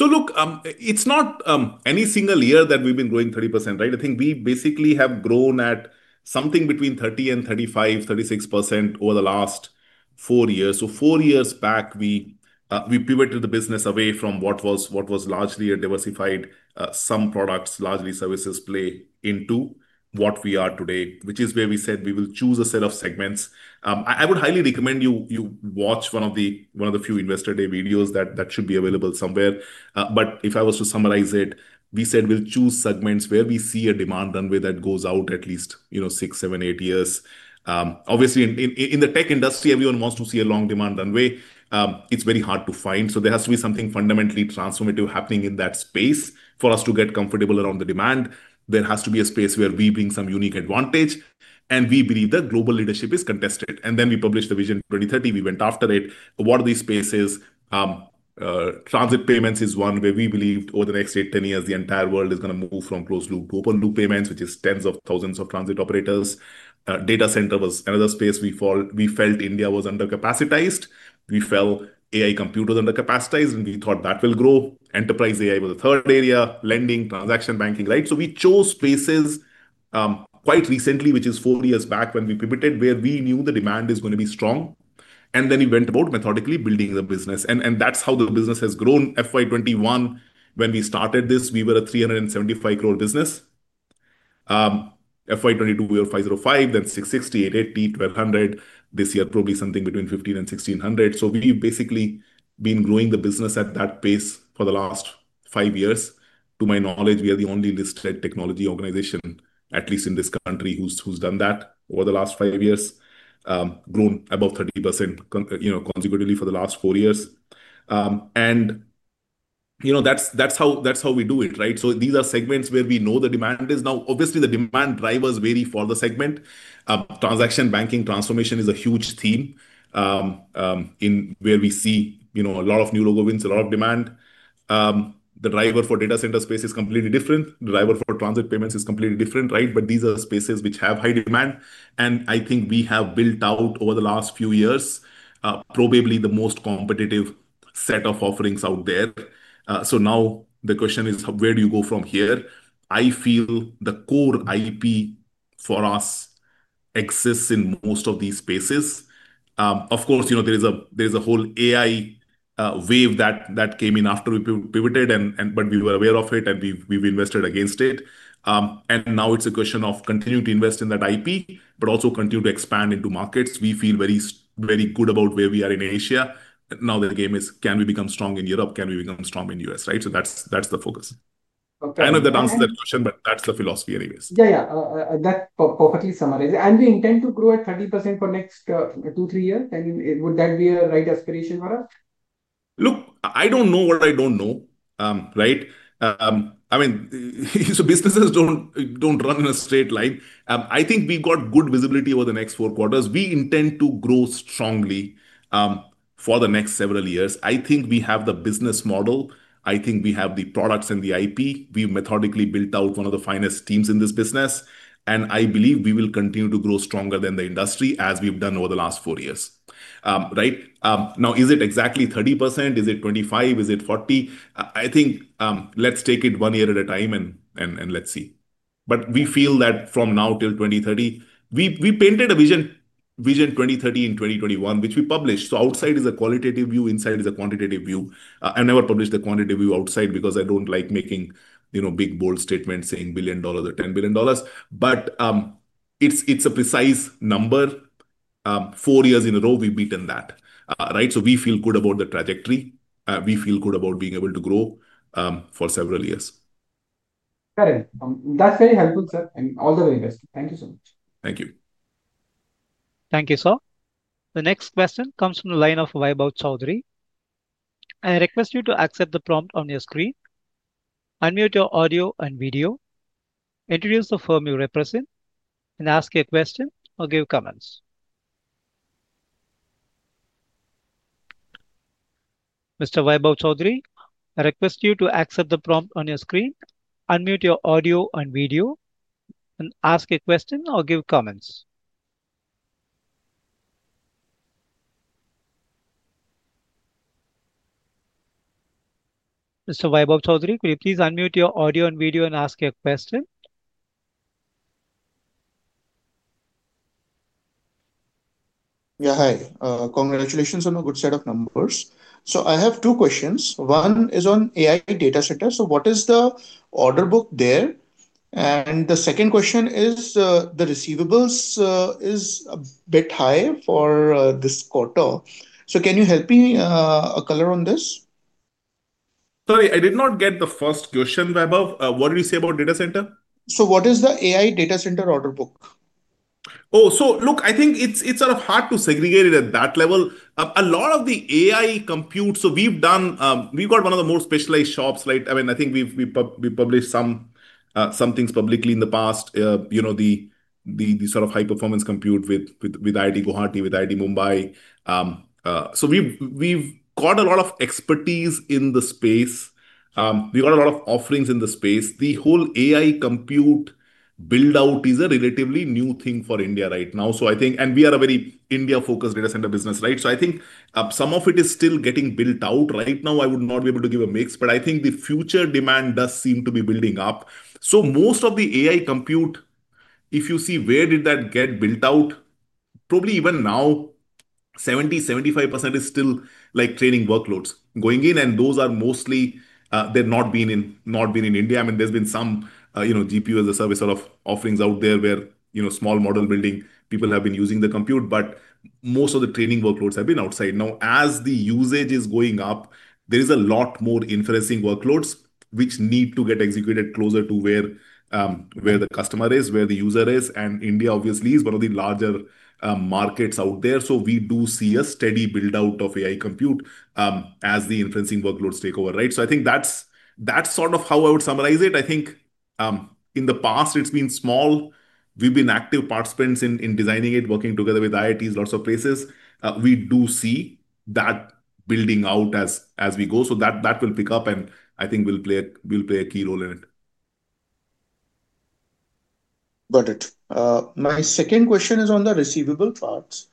Look, it's not any single year that we've been growing 30%. I think we basically have grown at something between 30-35, 36% over the last four years. Four years back, we pivoted the business away from what was largely a diversified sum products, largely services play into what we are today, which is where we said we will choose a set of segments. I would highly recommend you watch one of the few investor day videos that should be available somewhere. If I was to summarize it, we said we'll choose segments where we see a demand runway that goes out at least six, seven, eight years. Obviously, in the tech industry, everyone wants to see a long demand runway. It's very hard to find. There has to be something fundamentally transformative happening in that space for us to get comfortable around the demand. There has to be a space where we bring some unique advantage. We believe that global leadership is contested. Then we published the Vision 2030. We went after it. What are these spaces? Transit payments is one where we believe over the next 8-10 years, the entire world is going to move from closed-loop to open-loop payments, which is tens of thousands of transit operators. Data center was another space we felt India was undercapacitized. We felt AI computers undercapacitized, and we thought that will grow. Enterprise AI was the third area, lending, transaction banking. We chose spaces, quite recently, which is four years back when we pivoted, where we knew the demand is going to be strong. We went about methodically building the business. That's how the business has grown. FY2021, when we started this, we were a 375 crore business. FY2022, we were 505, then 660, 880, 1,200. This year, probably something between 1,500-1,600. We've basically been growing the business at that pace for the last five years. To my knowledge, we are the only listed technology organization, at least in this country, who's done that over the last five years. Grown about 30% consecutively for the last four years. That's how we do it. These are segments where we know the demand is. Obviously, the demand drivers vary for the segment. Transaction banking transformation is a huge theme where we see a lot of new logo wins, a lot of demand. The driver for data center space is completely different. The driver for transit payments is completely different. These are spaces which have high demand. I think we have built out over the last few years probably the most competitive set of offerings out there. Now the question is, where do you go from here? I feel the core IP for us exists in most of these spaces. Of course, there is a whole AI. Wave that came in after we pivoted, but we were aware of it, and we've invested against it. Now it's a question of continuing to invest in that IP, but also continue to expand into markets. We feel very good about where we are in Asia. Now the game is, can we become strong in Europe? Can we become strong in the U.S.? That's the focus. I don't know if that answers that question, but that's the philosophy anyways. That perfectly summarizes. I mean, we intend to grow at 30% for the next two, three years. Would that be a right aspiration for us? Look, I don't know what I don't know. I mean. Businesses don't run in a straight line. I think we've got good visibility over the next four quarters. We intend to grow strongly for the next several years. I think we have the business model. I think we have the products and the IP. We've methodically built out one of the finest teams in this business. I believe we will continue to grow stronger than the industry as we've done over the last four years. Now, is it exactly 30%? Is it 25%? Is it 40%? I think let's take it one year at a time and let's see. We feel that from now till 2030, we painted a Vision 2030 in 2021, which we published. Outside is a qualitative view, inside is a quantitative view. I've never published the quantitative view outside because I don't like making big bold statements saying billion dollars or $10 billion. It is a precise number. Four years in a row, we've beaten that. We feel good about the trajectory. We feel good about being able to grow for several years. Got it. That is very helpful, sir. And all the very best. Thank you so much. Thank you. Thank you, sir. The next question comes from the line of Vaibhav Chaudhary. I request you to accept the prompt on your screen. Unmute your audio and video. Introduce the firm you represent. Ask a question or give comments. Mr. Vaibhav Chaudhary, I request you to accept the prompt on your screen. Unmute your audio and video. Ask a question or give comments. Mr. Vaibhav Chaudhary, could you please unmute your audio and video and ask a question? Congratulations on a good set of numbers. I have two questions. One is on AI data center. What is the order book there? The second question is the receivables is a bit high for this quarter. Can you help me a color on this? Sorry, I did not get the first question, Vaibhav. What did you say about data center? What is the AI data center order book? Oh, so look, I think it's sort of hard to segregate it at that level. A lot of the AI compute, so we've done, we've got one of the more specialized shops. I mean, I think we've published some things publicly in the past. The sort of high-performance compute with IIT Guwahati, with IIT Mumbai. So we've got a lot of expertise in the space. We've got a lot of offerings in the space. The whole AI compute build-out is a relatively new thing for India right now. We are a very India-focused data center business. I think some of it is still getting built out. Right now, I would not be able to give a mix, but I think the future demand does seem to be building up. Most of the AI compute, if you see where did that get built out, probably even now, 70%-75% is still like training workloads going in, and those are mostly, they're not being in India. I mean, there's been some GPU as a service sort of offerings out there where small model building people have been using the compute, but most of the training workloads have been outside. Now, as the usage is going up, there is a lot more inferencing workloads which need to get executed closer to where the customer is, where the user is. India, obviously, is one of the larger markets out there. We do see a steady build-out of AI compute as the inferencing workloads take over. I think that's sort of how I would summarize it. I think in the past, it's been small. We've been active participants in designing it, working together with IITs, lots of places. We do see that building out as we go. That will pick up, and I think we'll play a key role in it. Got it. My second question is on the receivable parts.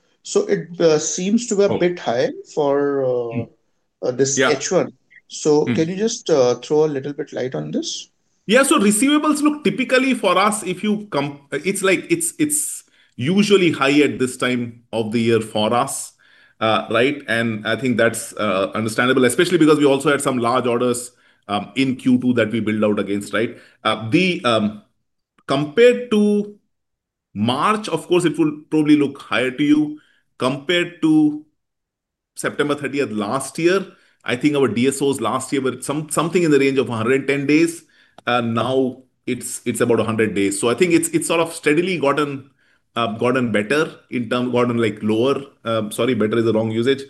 It seems to be a bit high for this H1. Can you just throw a little bit of light on this? So receivables, look, typically for us, if you, it's usually high at this time of the year for us. I think that's understandable, especially because we also had some large orders in Q2 that we built out against. Compared to March, of course, it will probably look higher to you. Compared to September 30, last year, I think our DSOs last year were something in the range of 110 days. Now it's about 100 days. I think it's sort of steadily gotten better in terms of lower, sorry, better is the wrong usage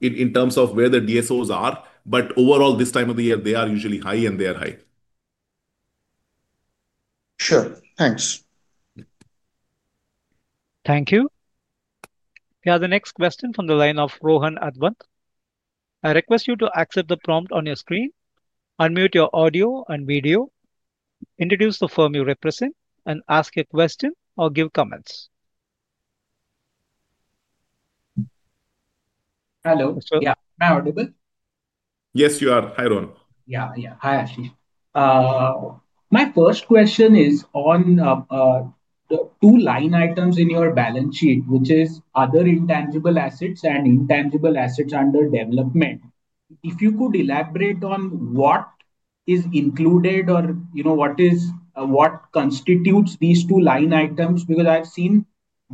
in terms of where the DSOs are. Overall, this time of the year, they are usually high and they are high. Sure. Thanks. Thank you. We have the next question from the line of Rohan Advant. I request you to accept the prompt on your screen. Unmute your audio and video. Introduce the firm you represent and ask a question or give comments. Hello., am I audible? Yes, you are. Hi, Ron. Hi, Ashish. My first question is on the two line items in your balance sheet, which are other intangible assets and intangible assets under development. If you could elaborate on what is included or what constitutes these two line items, because I've seen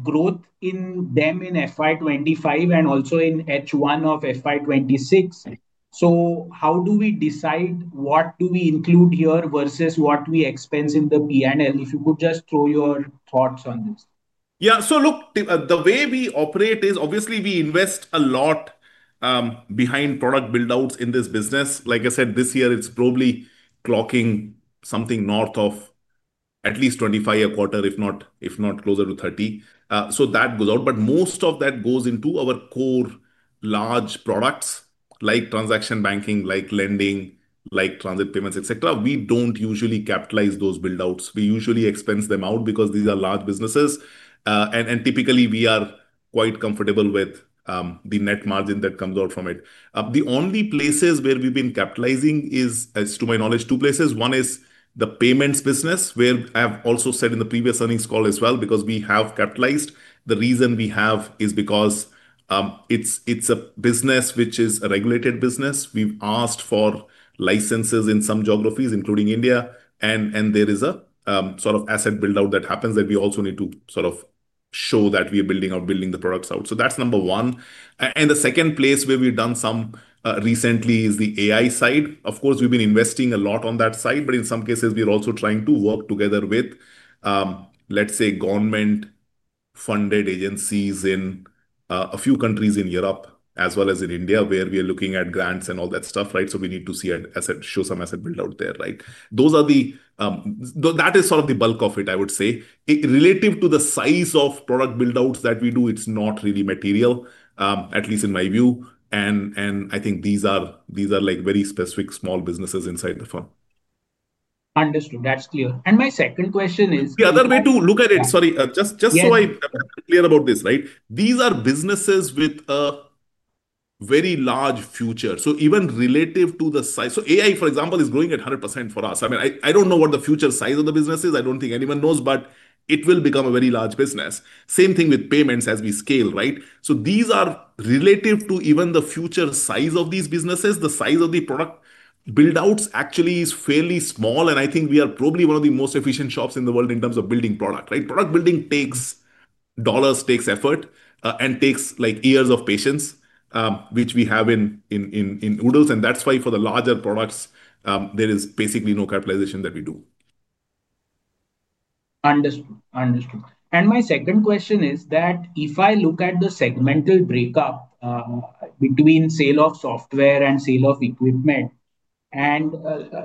growth in them in FY2025 and also in H1 of FY2026. How do we decide what we include here versus what we expense in the P&L? If you could just throw your thoughts on this. So look, the way we operate is, obviously, we invest a lot behind product build-outs in this business. Like I said, this year, it's probably clocking something north of at least 25 million a quarter, if not closer to 30 million. That goes out, but most of that goes into our core large products like transaction banking, like lending, like transit payments, et cetera. We do not usually capitalize those build-outs. We usually expense them out because these are large businesses, and typically, we are quite comfortable with the net margin that comes out from it. The only places where we've been capitalizing is, as to my knowledge, two places. One is the payments business, where I have also said in the previous earnings call as well, because we have capitalized. The reason we have is because it's a business which is a regulated business. We've asked for licenses in some geographies, including India, and there is a sort of asset build-out that happens that we also need to sort of show that we are building out, building the products out. That is number one. The second place where we've done some recently is the AI side. Of course, we've been investing a lot on that side, but in some cases, we're also trying to work together with, let's say, government-funded agencies in a few countries in Europe, as well as in India, where we are looking at grants and all that stuff. We need to show some asset build-out there. That is sort of the bulk of it, I would say. Relative to the size of product build-outs that we do, it's not really material, at least in my view. I think these are very specific small businesses inside the firm. Understood. That's clear. My second question is. The other way to look at it, sorry, just so I'm clear about this. These are businesses with a very large future. Even relative to the size, so AI, for example, is growing at 100% for us. I mean, I don't know what the future size of the business is. I don't think anyone knows, but it will become a very large business. Same thing with payments as we scale. These are relative to even the future size of these businesses, the size of the product build-outs actually is fairly small. I think we are probably one of the most efficient shops in the world in terms of building product. Product building takes dollars, takes effort, and takes years of patience, which we have in oodles. That is why for the larger products, there is basically no capitalization that we do. Understood. Understood. My second question is that if I look at the segmental breakup between sale of software and sale of equipment, and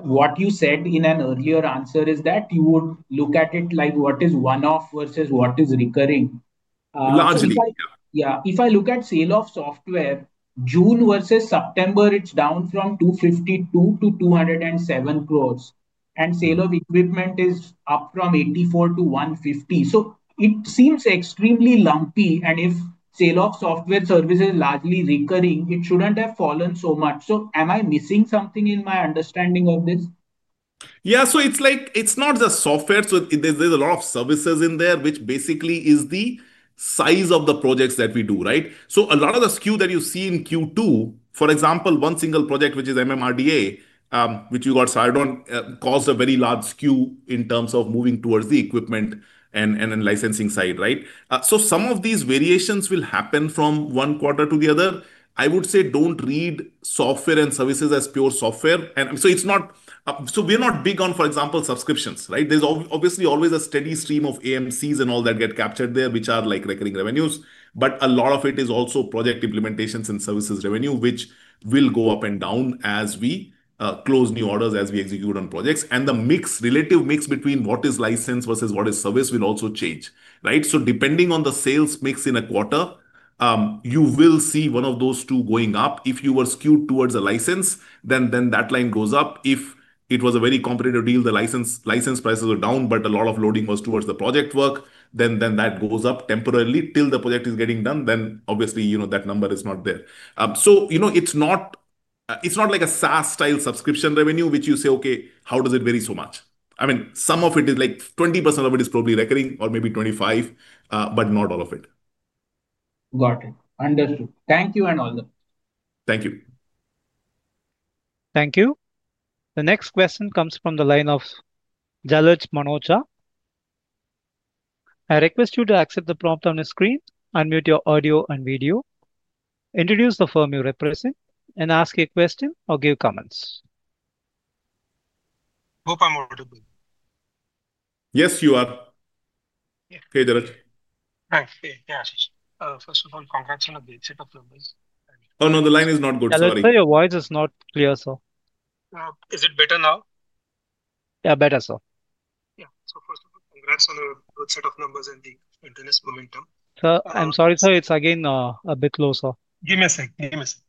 what you said in an earlier answer is that you would look at it like what is one-off versus what is recurring. Largely. If I look at sale of software, June versus September, it's down from 252 crore to 207 crore. And sale of equipment is up from 84 crore to 150 crore. It seems extremely lumpy. If sale of software services is largely recurring, it shouldn't have fallen so much. Am I missing something in my understanding of this? So it's not just software. There's a lot of services in there, which basically is the size of the projects that we do. A lot of the skew that you see in Q2, for example, one single project, which is MMRDA, which we got started on, caused a very large skew in terms of moving towards the equipment and licensing side. Some of these variations will happen from one quarter to the other. I would say don't read software and services as pure software. We're not big on, for example, subscriptions. There's obviously always a steady stream of AMCs and all that get captured there, which are like recurring revenues. A lot of it is also project implementations and services revenue, which will go up and down as we close new orders, as we execute on projects. The relative mix between what is license versus what is service will also change. Depending on the sales mix in a quarter, you will see one of those two going up. If you were skewed towards a license, then that line goes up. If it was a very competitive deal, the license prices were down, but a lot of loading was towards the project work, then that goes up temporarily till the project is getting done. Obviously that number is not there. It's not like a SaaS-style subscription revenue, which you say, okay, how does it vary so much? I mean, some of it is like 20% of it is probably recurring or maybe 25%, but not all of it. Got it. Understood. Thank you and all the best. Thank you. Thank you. The next question comes from the line of Jalaj Manoja. I request you to accept the prompt on your screen. Unmute your audio and video. Introduce the firm you represent and ask a question or give comments. Hope I'm audible. Yes, you are. Okay, Jalaj. Thanks.. First of all, congrats on a great set of numbers. No, no, the line is not good. Sorry. I think your voice is not clear, sir. Is it better now? Better, sir. First of all, congrats on a good set of numbers and the continuous momentum. Sir, I'm sorry, sir. It's again a bit low, sir. Give me a sec. Give me a sec.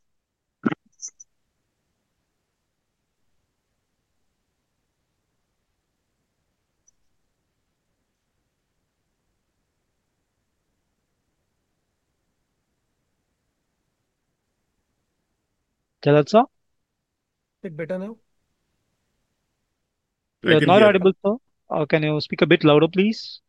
Jalaj, sir? Is it better now? You're not audible, sir. Can you speak a bit louder, please?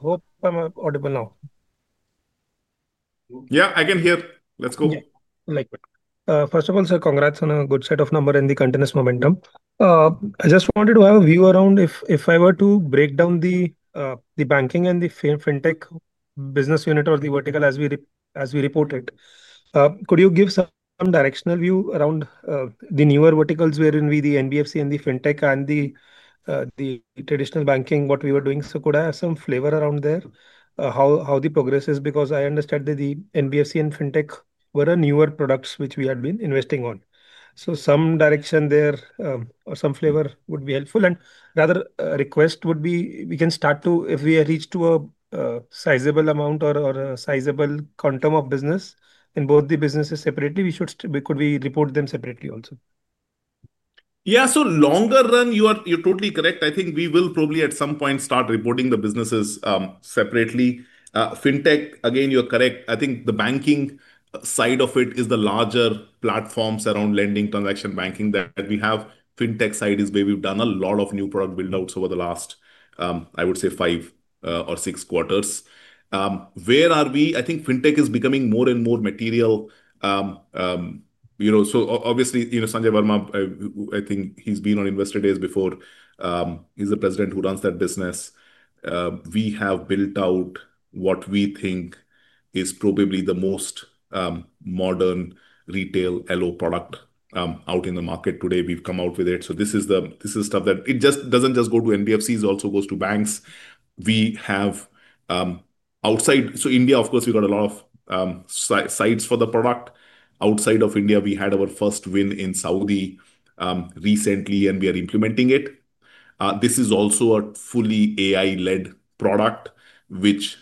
Hope I'm audible now. I can hear. Let's go. First of all, sir, congrats on a good set of numbers and the continuous momentum. I just wanted to have a view around if I were to break down the banking and the fintech business unit or the vertical as we report it. Could you give some directional view around the newer verticals wherein the NBFC and the fintech and the traditional banking, what we were doing? Could I have some flavor around there? How the progress is? Because I understand that the NBFC and fintech were newer products which we had been investing on. Some direction there or some flavor would be helpful. A request would be if we reach to a sizable amount or a sizable quantum of business in both the businesses separately, we could report them separately also. So longer run, you're totally correct. I think we will probably at some point start reporting the businesses separately. Fintech, again, you're correct. I think the banking side of it is the larger platforms around lending, transaction banking that we have. Fintech side is where we've done a lot of new product build-outs over the last, I would say, five or six quarters. Where are we? I think fintech is becoming more and more material. Obviously, Sanjay Verma, I think he's been on Investor Days before. He's the President who runs that business. We have built out what we think is probably the most modern retail LO product out in the market today. We've come out with it. This is stuff that it just doesn't just go to NBFCs. It also goes to banks. We have, outside India, of course, we've got a lot of sites for the product. Outside of India, we had our first win in Saudi recently, and we are implementing it. This is also a fully AI-led product, which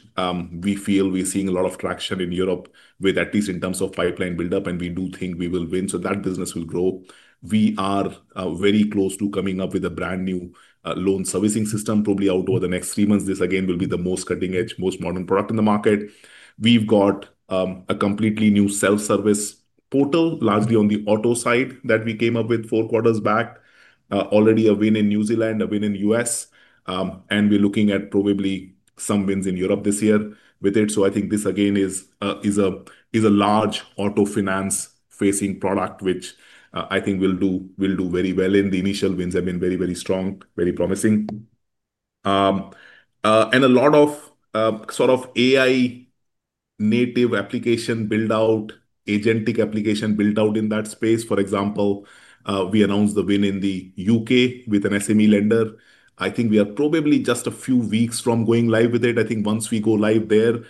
we feel we're seeing a lot of traction in Europe, at least in terms of pipeline build-up, and we do think we will win. That business will grow. We are very close to coming up with a brand new loan servicing system, probably out over the next three months. This, again, will be the most cutting-edge, most modern product in the market. We've got a completely new self-service portal, largely on the auto side that we came up with four quarters back. Already a win in New Zealand, a win in the U.S. We're looking at probably some wins in Europe this year with it. I think this, again, is a large auto finance-facing product, which I think will do very well. The initial wins have been very, very strong, very promising. A lot of sort of AI-native application build-out, agentic application build-out in that space. For example, we announced the win in the U.K. with an SME lender. I think we are probably just a few weeks from going live with it. I think once we go live there,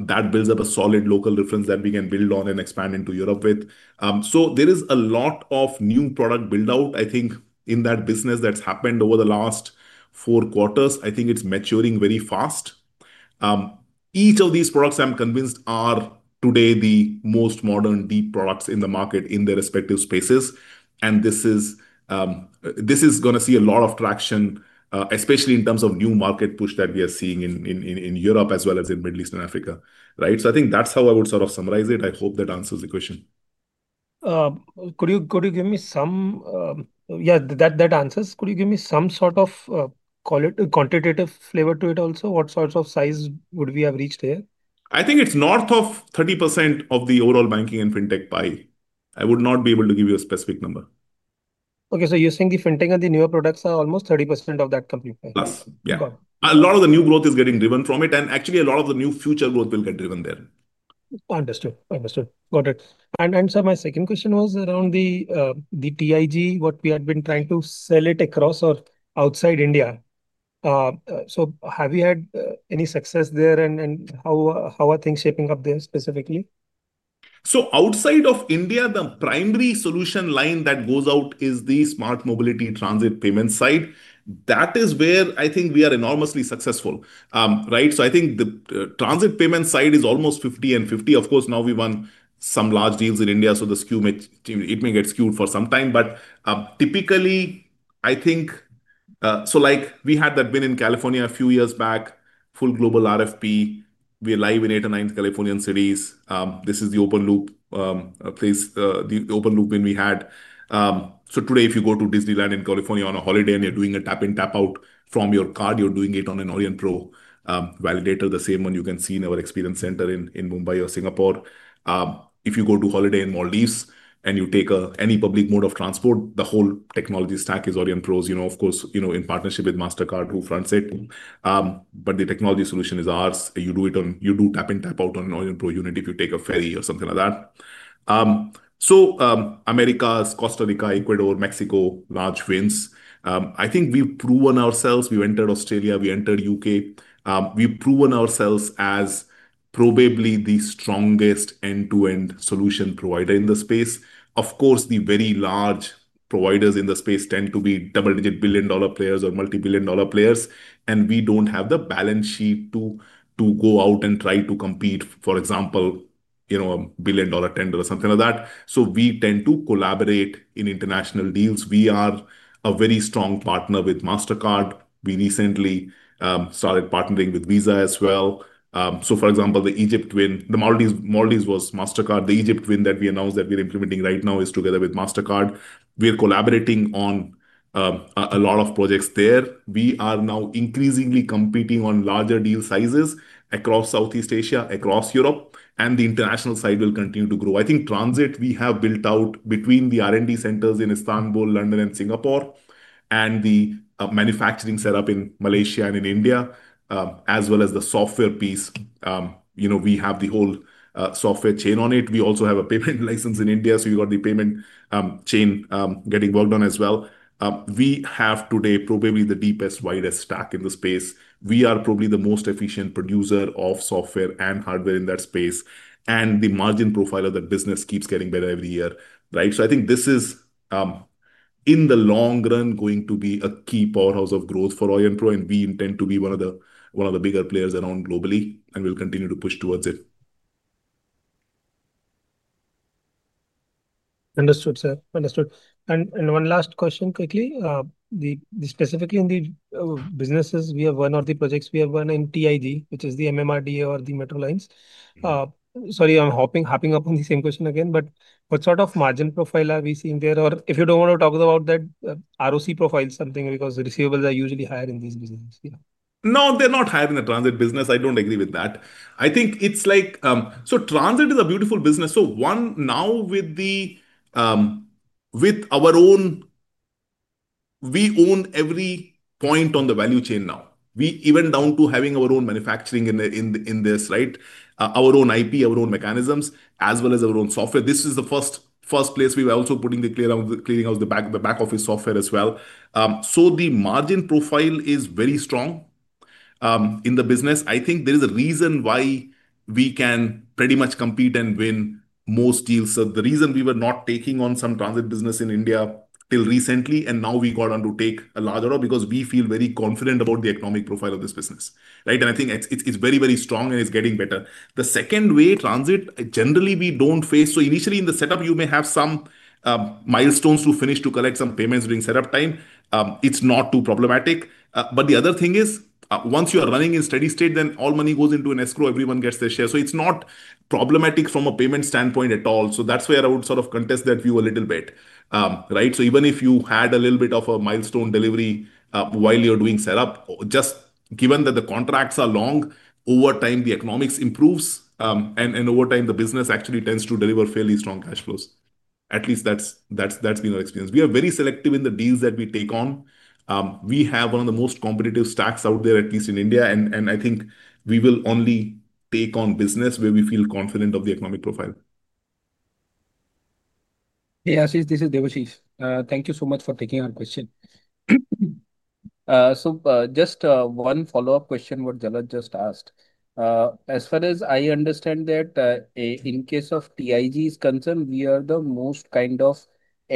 that builds up a solid local reference that we can build on and expand into Europe with. There is a lot of new product build-out, I think, in that business that's happened over the last four quarters. I think it's maturing very fast. Each of these products, I'm convinced, are today the most modern deep products in the market in their respective spaces. This is going to see a lot of traction, especially in terms of new market push that we are seeing in Europe as well as in Middle East and Africa. I think that's how I would sort of summarize it. I hope that answers the question. Could you give me some, that answers? Could you give me some sort of quantitative flavor to it also? What sorts of size would we have reached there? I think it's north of 30% of the overall banking and fintech pie. I would not be able to give you a specific number. Okay, so you're saying the fintech and the newer products are almost 30% of that company? Plus, yeah. A lot of the new growth is getting driven from it. Actually, a lot of the new future growth will get driven there. Understood. Got it. Sir, my second question was around the TIG, what we had been trying to sell it across or outside India. Have you had any success there? How are things shaping up there specifically? Outside of India, the primary solution line that goes out is the smart mobility transit payment side. That is where I think we are enormously successful. I think the transit payment side is almost 50 and 50. Of course, now we won some large deals in India, so it may get skewed for some time. Typically, I think we had that win in California a few years back, full global RFP. We're live in eight or nine Californian cities. This is the open-loop place, the open-loop win we had. Today, if you go to Disneyland in California on a holiday and you're doing a tap-in tap-out from your card, you're doing it on an Aurionpro validator, the same one you can see in our experience center in Mumbai or Singapore. If you go on holiday in Maldives and you take any public mode of transport, the whole technology stack is Aurionpro's. Of course, in partnership with Mastercard, who fronts it. The technology solution is ours. You do tap-in tap-out on an Aurionpro unit if you take a ferry or something like that. America, Costa Rica, Ecuador, Mexico, large wins. I think we've proven ourselves. We entered Australia. We entered the U.K. We've proven ourselves as probably the strongest end-to-end solution provider in the space. The very large providers in the space tend to be double-digit billion-dollar players or multi-billion-dollar players. We don't have the balance sheet to go out and try to compete, for example, in a billion-dollar tender or something like that. We tend to collaborate in international deals. We are a very strong partner with Mastercard. We recently started partnering with Visa as well. For example, the Egypt win, the Maldives was Mastercard. The Egypt win that we announced that we're implementing right now is together with Mastercard. We're collaborating on a lot of projects there. We are now increasingly competing on larger deal sizes across Southeast Asia, across Europe. The international side will continue to grow. I think transit we have built out between the R&D centers in Istanbul, London, and Singapore, and the manufacturing setup in Malaysia and in India, as well as the software piece. We have the whole software chain on it. We also have a payment license in India. You've got the payment chain getting worked on as well. We have today probably the deepest, widest stack in the space. We are probably the most efficient producer of software and hardware in that space. The margin profile of that business keeps getting better every year. I think this is, in the long run, going to be a key powerhouse of growth for Aurionpro. We intend to be one of the bigger players around globally. We'll continue to push towards it. Understood, sir. Understood. One last question quickly. Specifically in the businesses, we have one of the projects we have run in TIG, which is the MMRDA or the Metro Lines. Sorry, I'm hopping up on the same question again. What sort of margin profile are we seeing there? If you do not want to talk about that ROC profile, something because the receivables are usually higher in these businesses. No, they're not higher in the transit business. I don't agree with that. I think it's like, so transit is a beautiful business. One, now with the, our own, we own every point on the value chain now. We even down to having our own manufacturing in this, right? Our own IP, our own mechanisms, as well as our own software. This is the first place we were also putting the clearing out of the back office software as well. The margin profile is very strong in the business. I think there is a reason why we can pretty much compete and win most deals. The reason we were not taking on some transit business in India till recently, and now we got on to take a larger one, is because we feel very confident about the economic profile of this business. I think it's very, very strong and it's getting better. The second way, transit, generally, we don't face. Initially, in the setup, you may have some milestones to finish to collect some payments during setup time. It's not too problematic. The other thing is, once you are running in steady state, then all money goes into an escrow. Everyone gets their share. It's not problematic from a payment standpoint at all. That's where I would sort of contest that view a little bit. Even if you had a little bit of a milestone delivery while you're doing setup, just given that the contracts are long, over time, the economics improves. Over time, the business actually tends to deliver fairly strong cash flows. At least that's been our experience. We are very selective in the deals that we take on. We have one of the most competitive stacks out there, at least in India. I think we will only take on business where we feel confident of the economic profile. This is Debashish. Thank you so much for taking our question. Just one follow-up question to what Jalaj just asked. As far as I understand, in case of TIG is concerned, we are the most kind of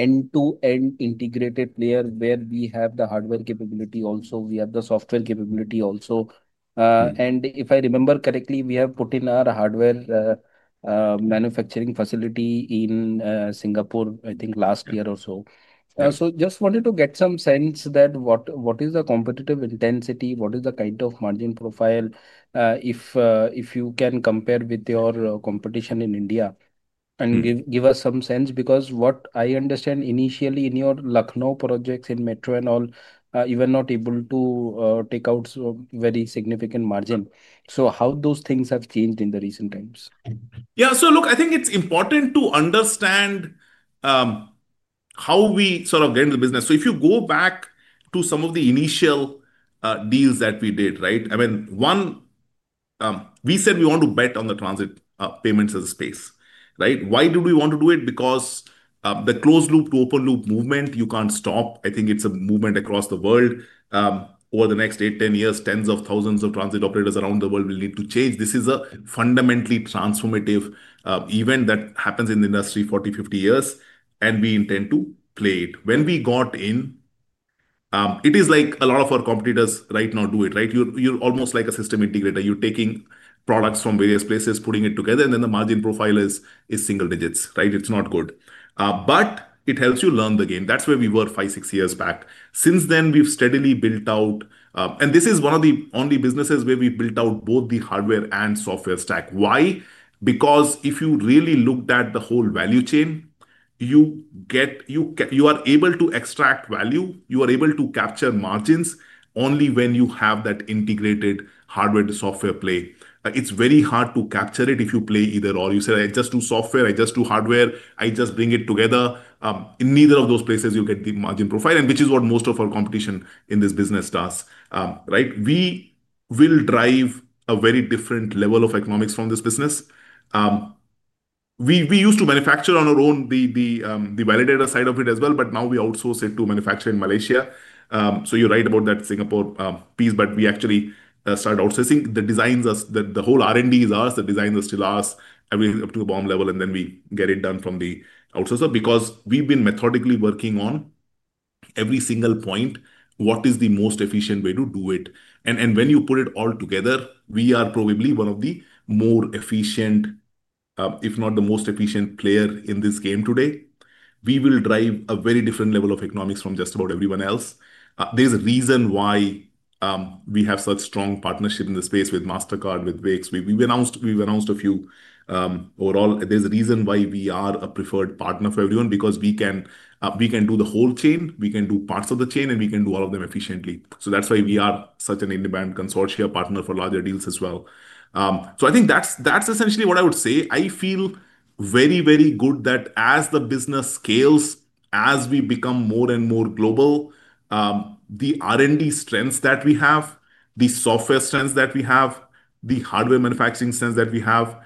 end-to-end integrated player where we have the hardware capability also. We have the software capability also. If I remember correctly, we have put in our hardware manufacturing facility in Singapore, I think last year or so. I just wanted to get some sense of what is the competitive intensity, what is the kind of margin profile. If you can compare with your competition in India and give us some sense. Because what I understand, initially in your Lucknow projects in Metro and all, you were not able to take out very significant margin. How have those things changed in recent times? So look, I think it's important to understand how we sort of get into the business. If you go back to some of the initial deals that we did, I mean, one, we said we want to bet on the transit payments as a space. Why did we want to do it? Because the closed loop to open loop movement, you can't stop. I think it's a movement across the world. Over the next 8-10 years, tens of thousands of transit operators around the world will need to change. This is a fundamentally transformative event that happens in the industry every 40-50 years, and we intend to play it. When we got in, it is like a lot of our competitors right now do it. You're almost like a system integrator. You're taking products from various places, putting it together, and then the margin profile is single digits. It's not good, but it helps you learn the game. That's where we were five-six years back. Since then, we've steadily built out, and this is one of the only businesses where we've built out both the hardware and software stack. Why? Because if you really looked at the whole value chain, you are able to extract value. You are able to capture margins only when you have that integrated hardware-to-software play. It's very hard to capture it if you play either/or. You say, "I just do software. I just do hardware. I just bring it together." In neither of those places, you'll get the margin profile, which is what most of our competition in this business does. We will drive a very different level of economics from this business. We used to manufacture on our own the validator side of it as well, but now we outsource it to manufacture in Malaysia. You're right about that Singapore piece, but we actually start outsourcing. The whole R&D is ours. The design is still ours. Everything is up to the BOM level, and then we get it done from the outsourcer because we've been methodically working on every single point, what is the most efficient way to do it. When you put it all together, we are probably one of the more efficient, if not the most efficient player in this game today. We will drive a very different level of economics from just about everyone else. There's a reason why we have such strong partnership in the space with Mastercard, with Wix. We've announced a few. Overall, there's a reason why we are a preferred partner for everyone because we can do the whole chain, we can do parts of the chain, and we can do all of them efficiently. That's why we are such an independent consortia partner for larger deals as well. I think that's essentially what I would say. I feel very, very good that as the business scales, as we become more and more global. The R&D strengths that we have, the software strengths that we have, the hardware manufacturing strengths that we have,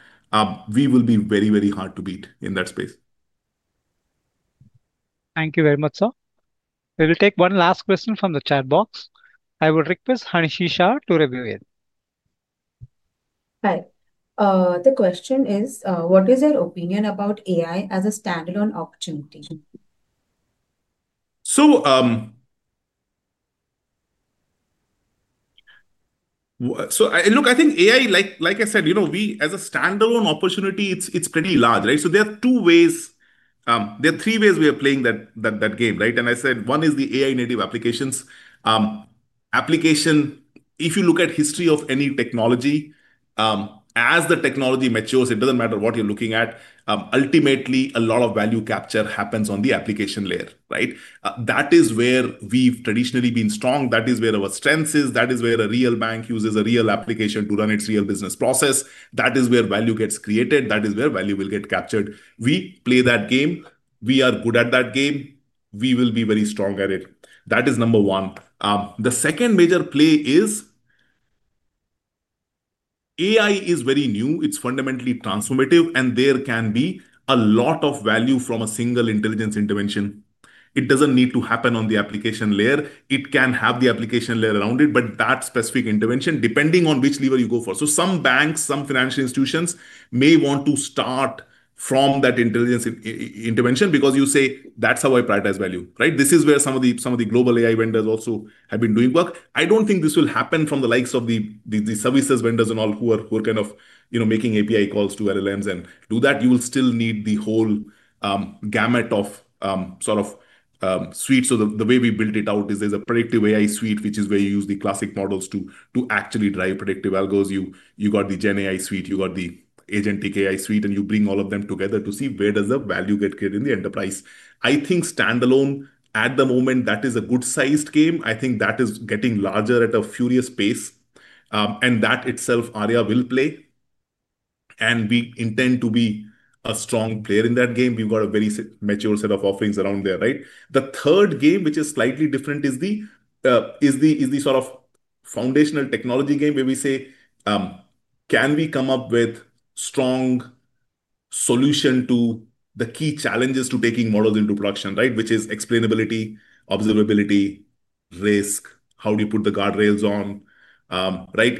we will be very, very hard to beat in that space. Thank you very much, sir. We will take one last question from the chat box. I will request Harnishi Shah to review it. Hi. The question is, what is your opinion about AI as a standalone opportunity? Look, I think AI, like I said, as a standalone opportunity, it's pretty large. There are two ways. There are three ways we are playing that game. I said, one is the AI-native applications. If you look at the history of any technology, as the technology matures, it doesn't matter what you're looking at. Ultimately, a lot of value capture happens on the application layer. That is where we've traditionally been strong. That is where our strength is. That is where a real bank uses a real application to run its real business process. That is where value gets created. That is where value will get captured. We play that game. We are good at that game. We will be very strong at it. That is number one. The second major play is AI is very new. It's fundamentally transformative. There can be a lot of value from a single intelligence intervention. It doesn't need to happen on the application layer. It can have the application layer around it, but that specific intervention, depending on which lever you go for. Some banks, some financial institutions may want to start from that intelligence intervention because you say, "That's how I prioritize value." This is where some of the global AI vendors also have been doing work. I don't think this will happen from the likes of the services vendors and all who are kind of making API calls to LLMs and do that. You will still need the whole gamut of suites. The way we built it out is there's a predictive AI suite, which is where you use the classic models to actually drive predictive algos. You got the GenAI suite, you got the Agentic AI suite, and you bring all of them together to see where does the value get created in the enterprise. I think standalone, at the moment, that is a good-sized game. I think that is getting larger at a furious pace. That itself, Arya will play. We intend to be a strong player in that game. We've got a very mature set of offerings around there. The third game, which is slightly different, is the sort of foundational technology game where we say, "Can we come up with a strong solution to the key challenges to taking models into production," which is explainability, observability, risk, how do you put the guardrails on,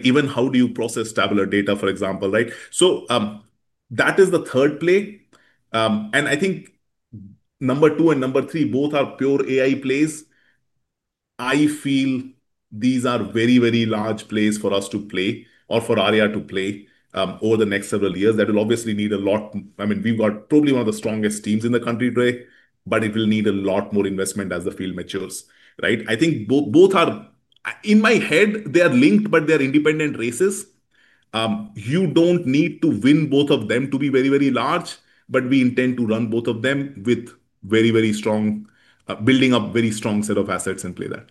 even how do you process tabular data, for example. That is the third play. I think number two and number three, both are pure AI plays. I feel these are very, very large plays for us to play or for Arya to play over the next several years. That will obviously need a lot. I mean, we've got probably one of the strongest teams in the country today, but it will need a lot more investment as the field matures. I think both are, in my head, they are linked, but they are independent races. You do not need to win both of them to be very, very large, but we intend to run both of them with very, very strong, building up a very strong set of assets and play that.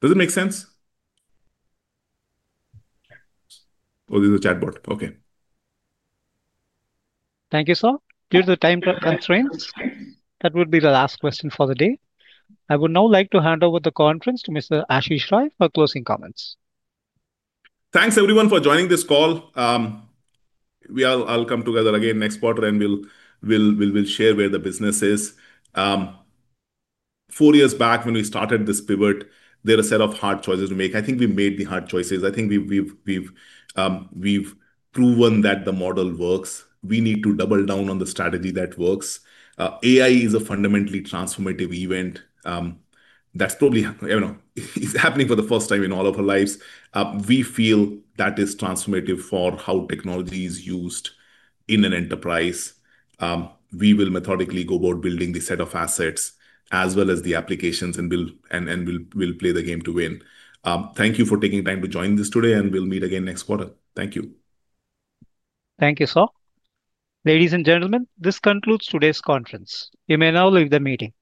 Does it make sense? Oh, this is a chat bot. Okay. Thank you, sir. Due to the time constraints, that would be the last question for the day. I would now like to hand over the conference to Mr. Ashish Rai for closing comments. Thanks, everyone, for joining this call. I'll come together again next quarter, and we'll share where the business is. Four years back, when we started this pivot, there were a set of hard choices to make. I think we made the hard choices. I think we've proven that the model works. We need to double down on the strategy that works. AI is a fundamentally transformative event. That's probably happening for the first time in all of our lives. We feel that is transformative for how technology is used in an enterprise. We will methodically go about building the set of assets as well as the applications and will play the game to win. Thank you for taking time to join this today, and we'll meet again next quarter. Thank you. Thank you, sir. Ladies and gentlemen, this concludes today's conference. You may now leave the meeting.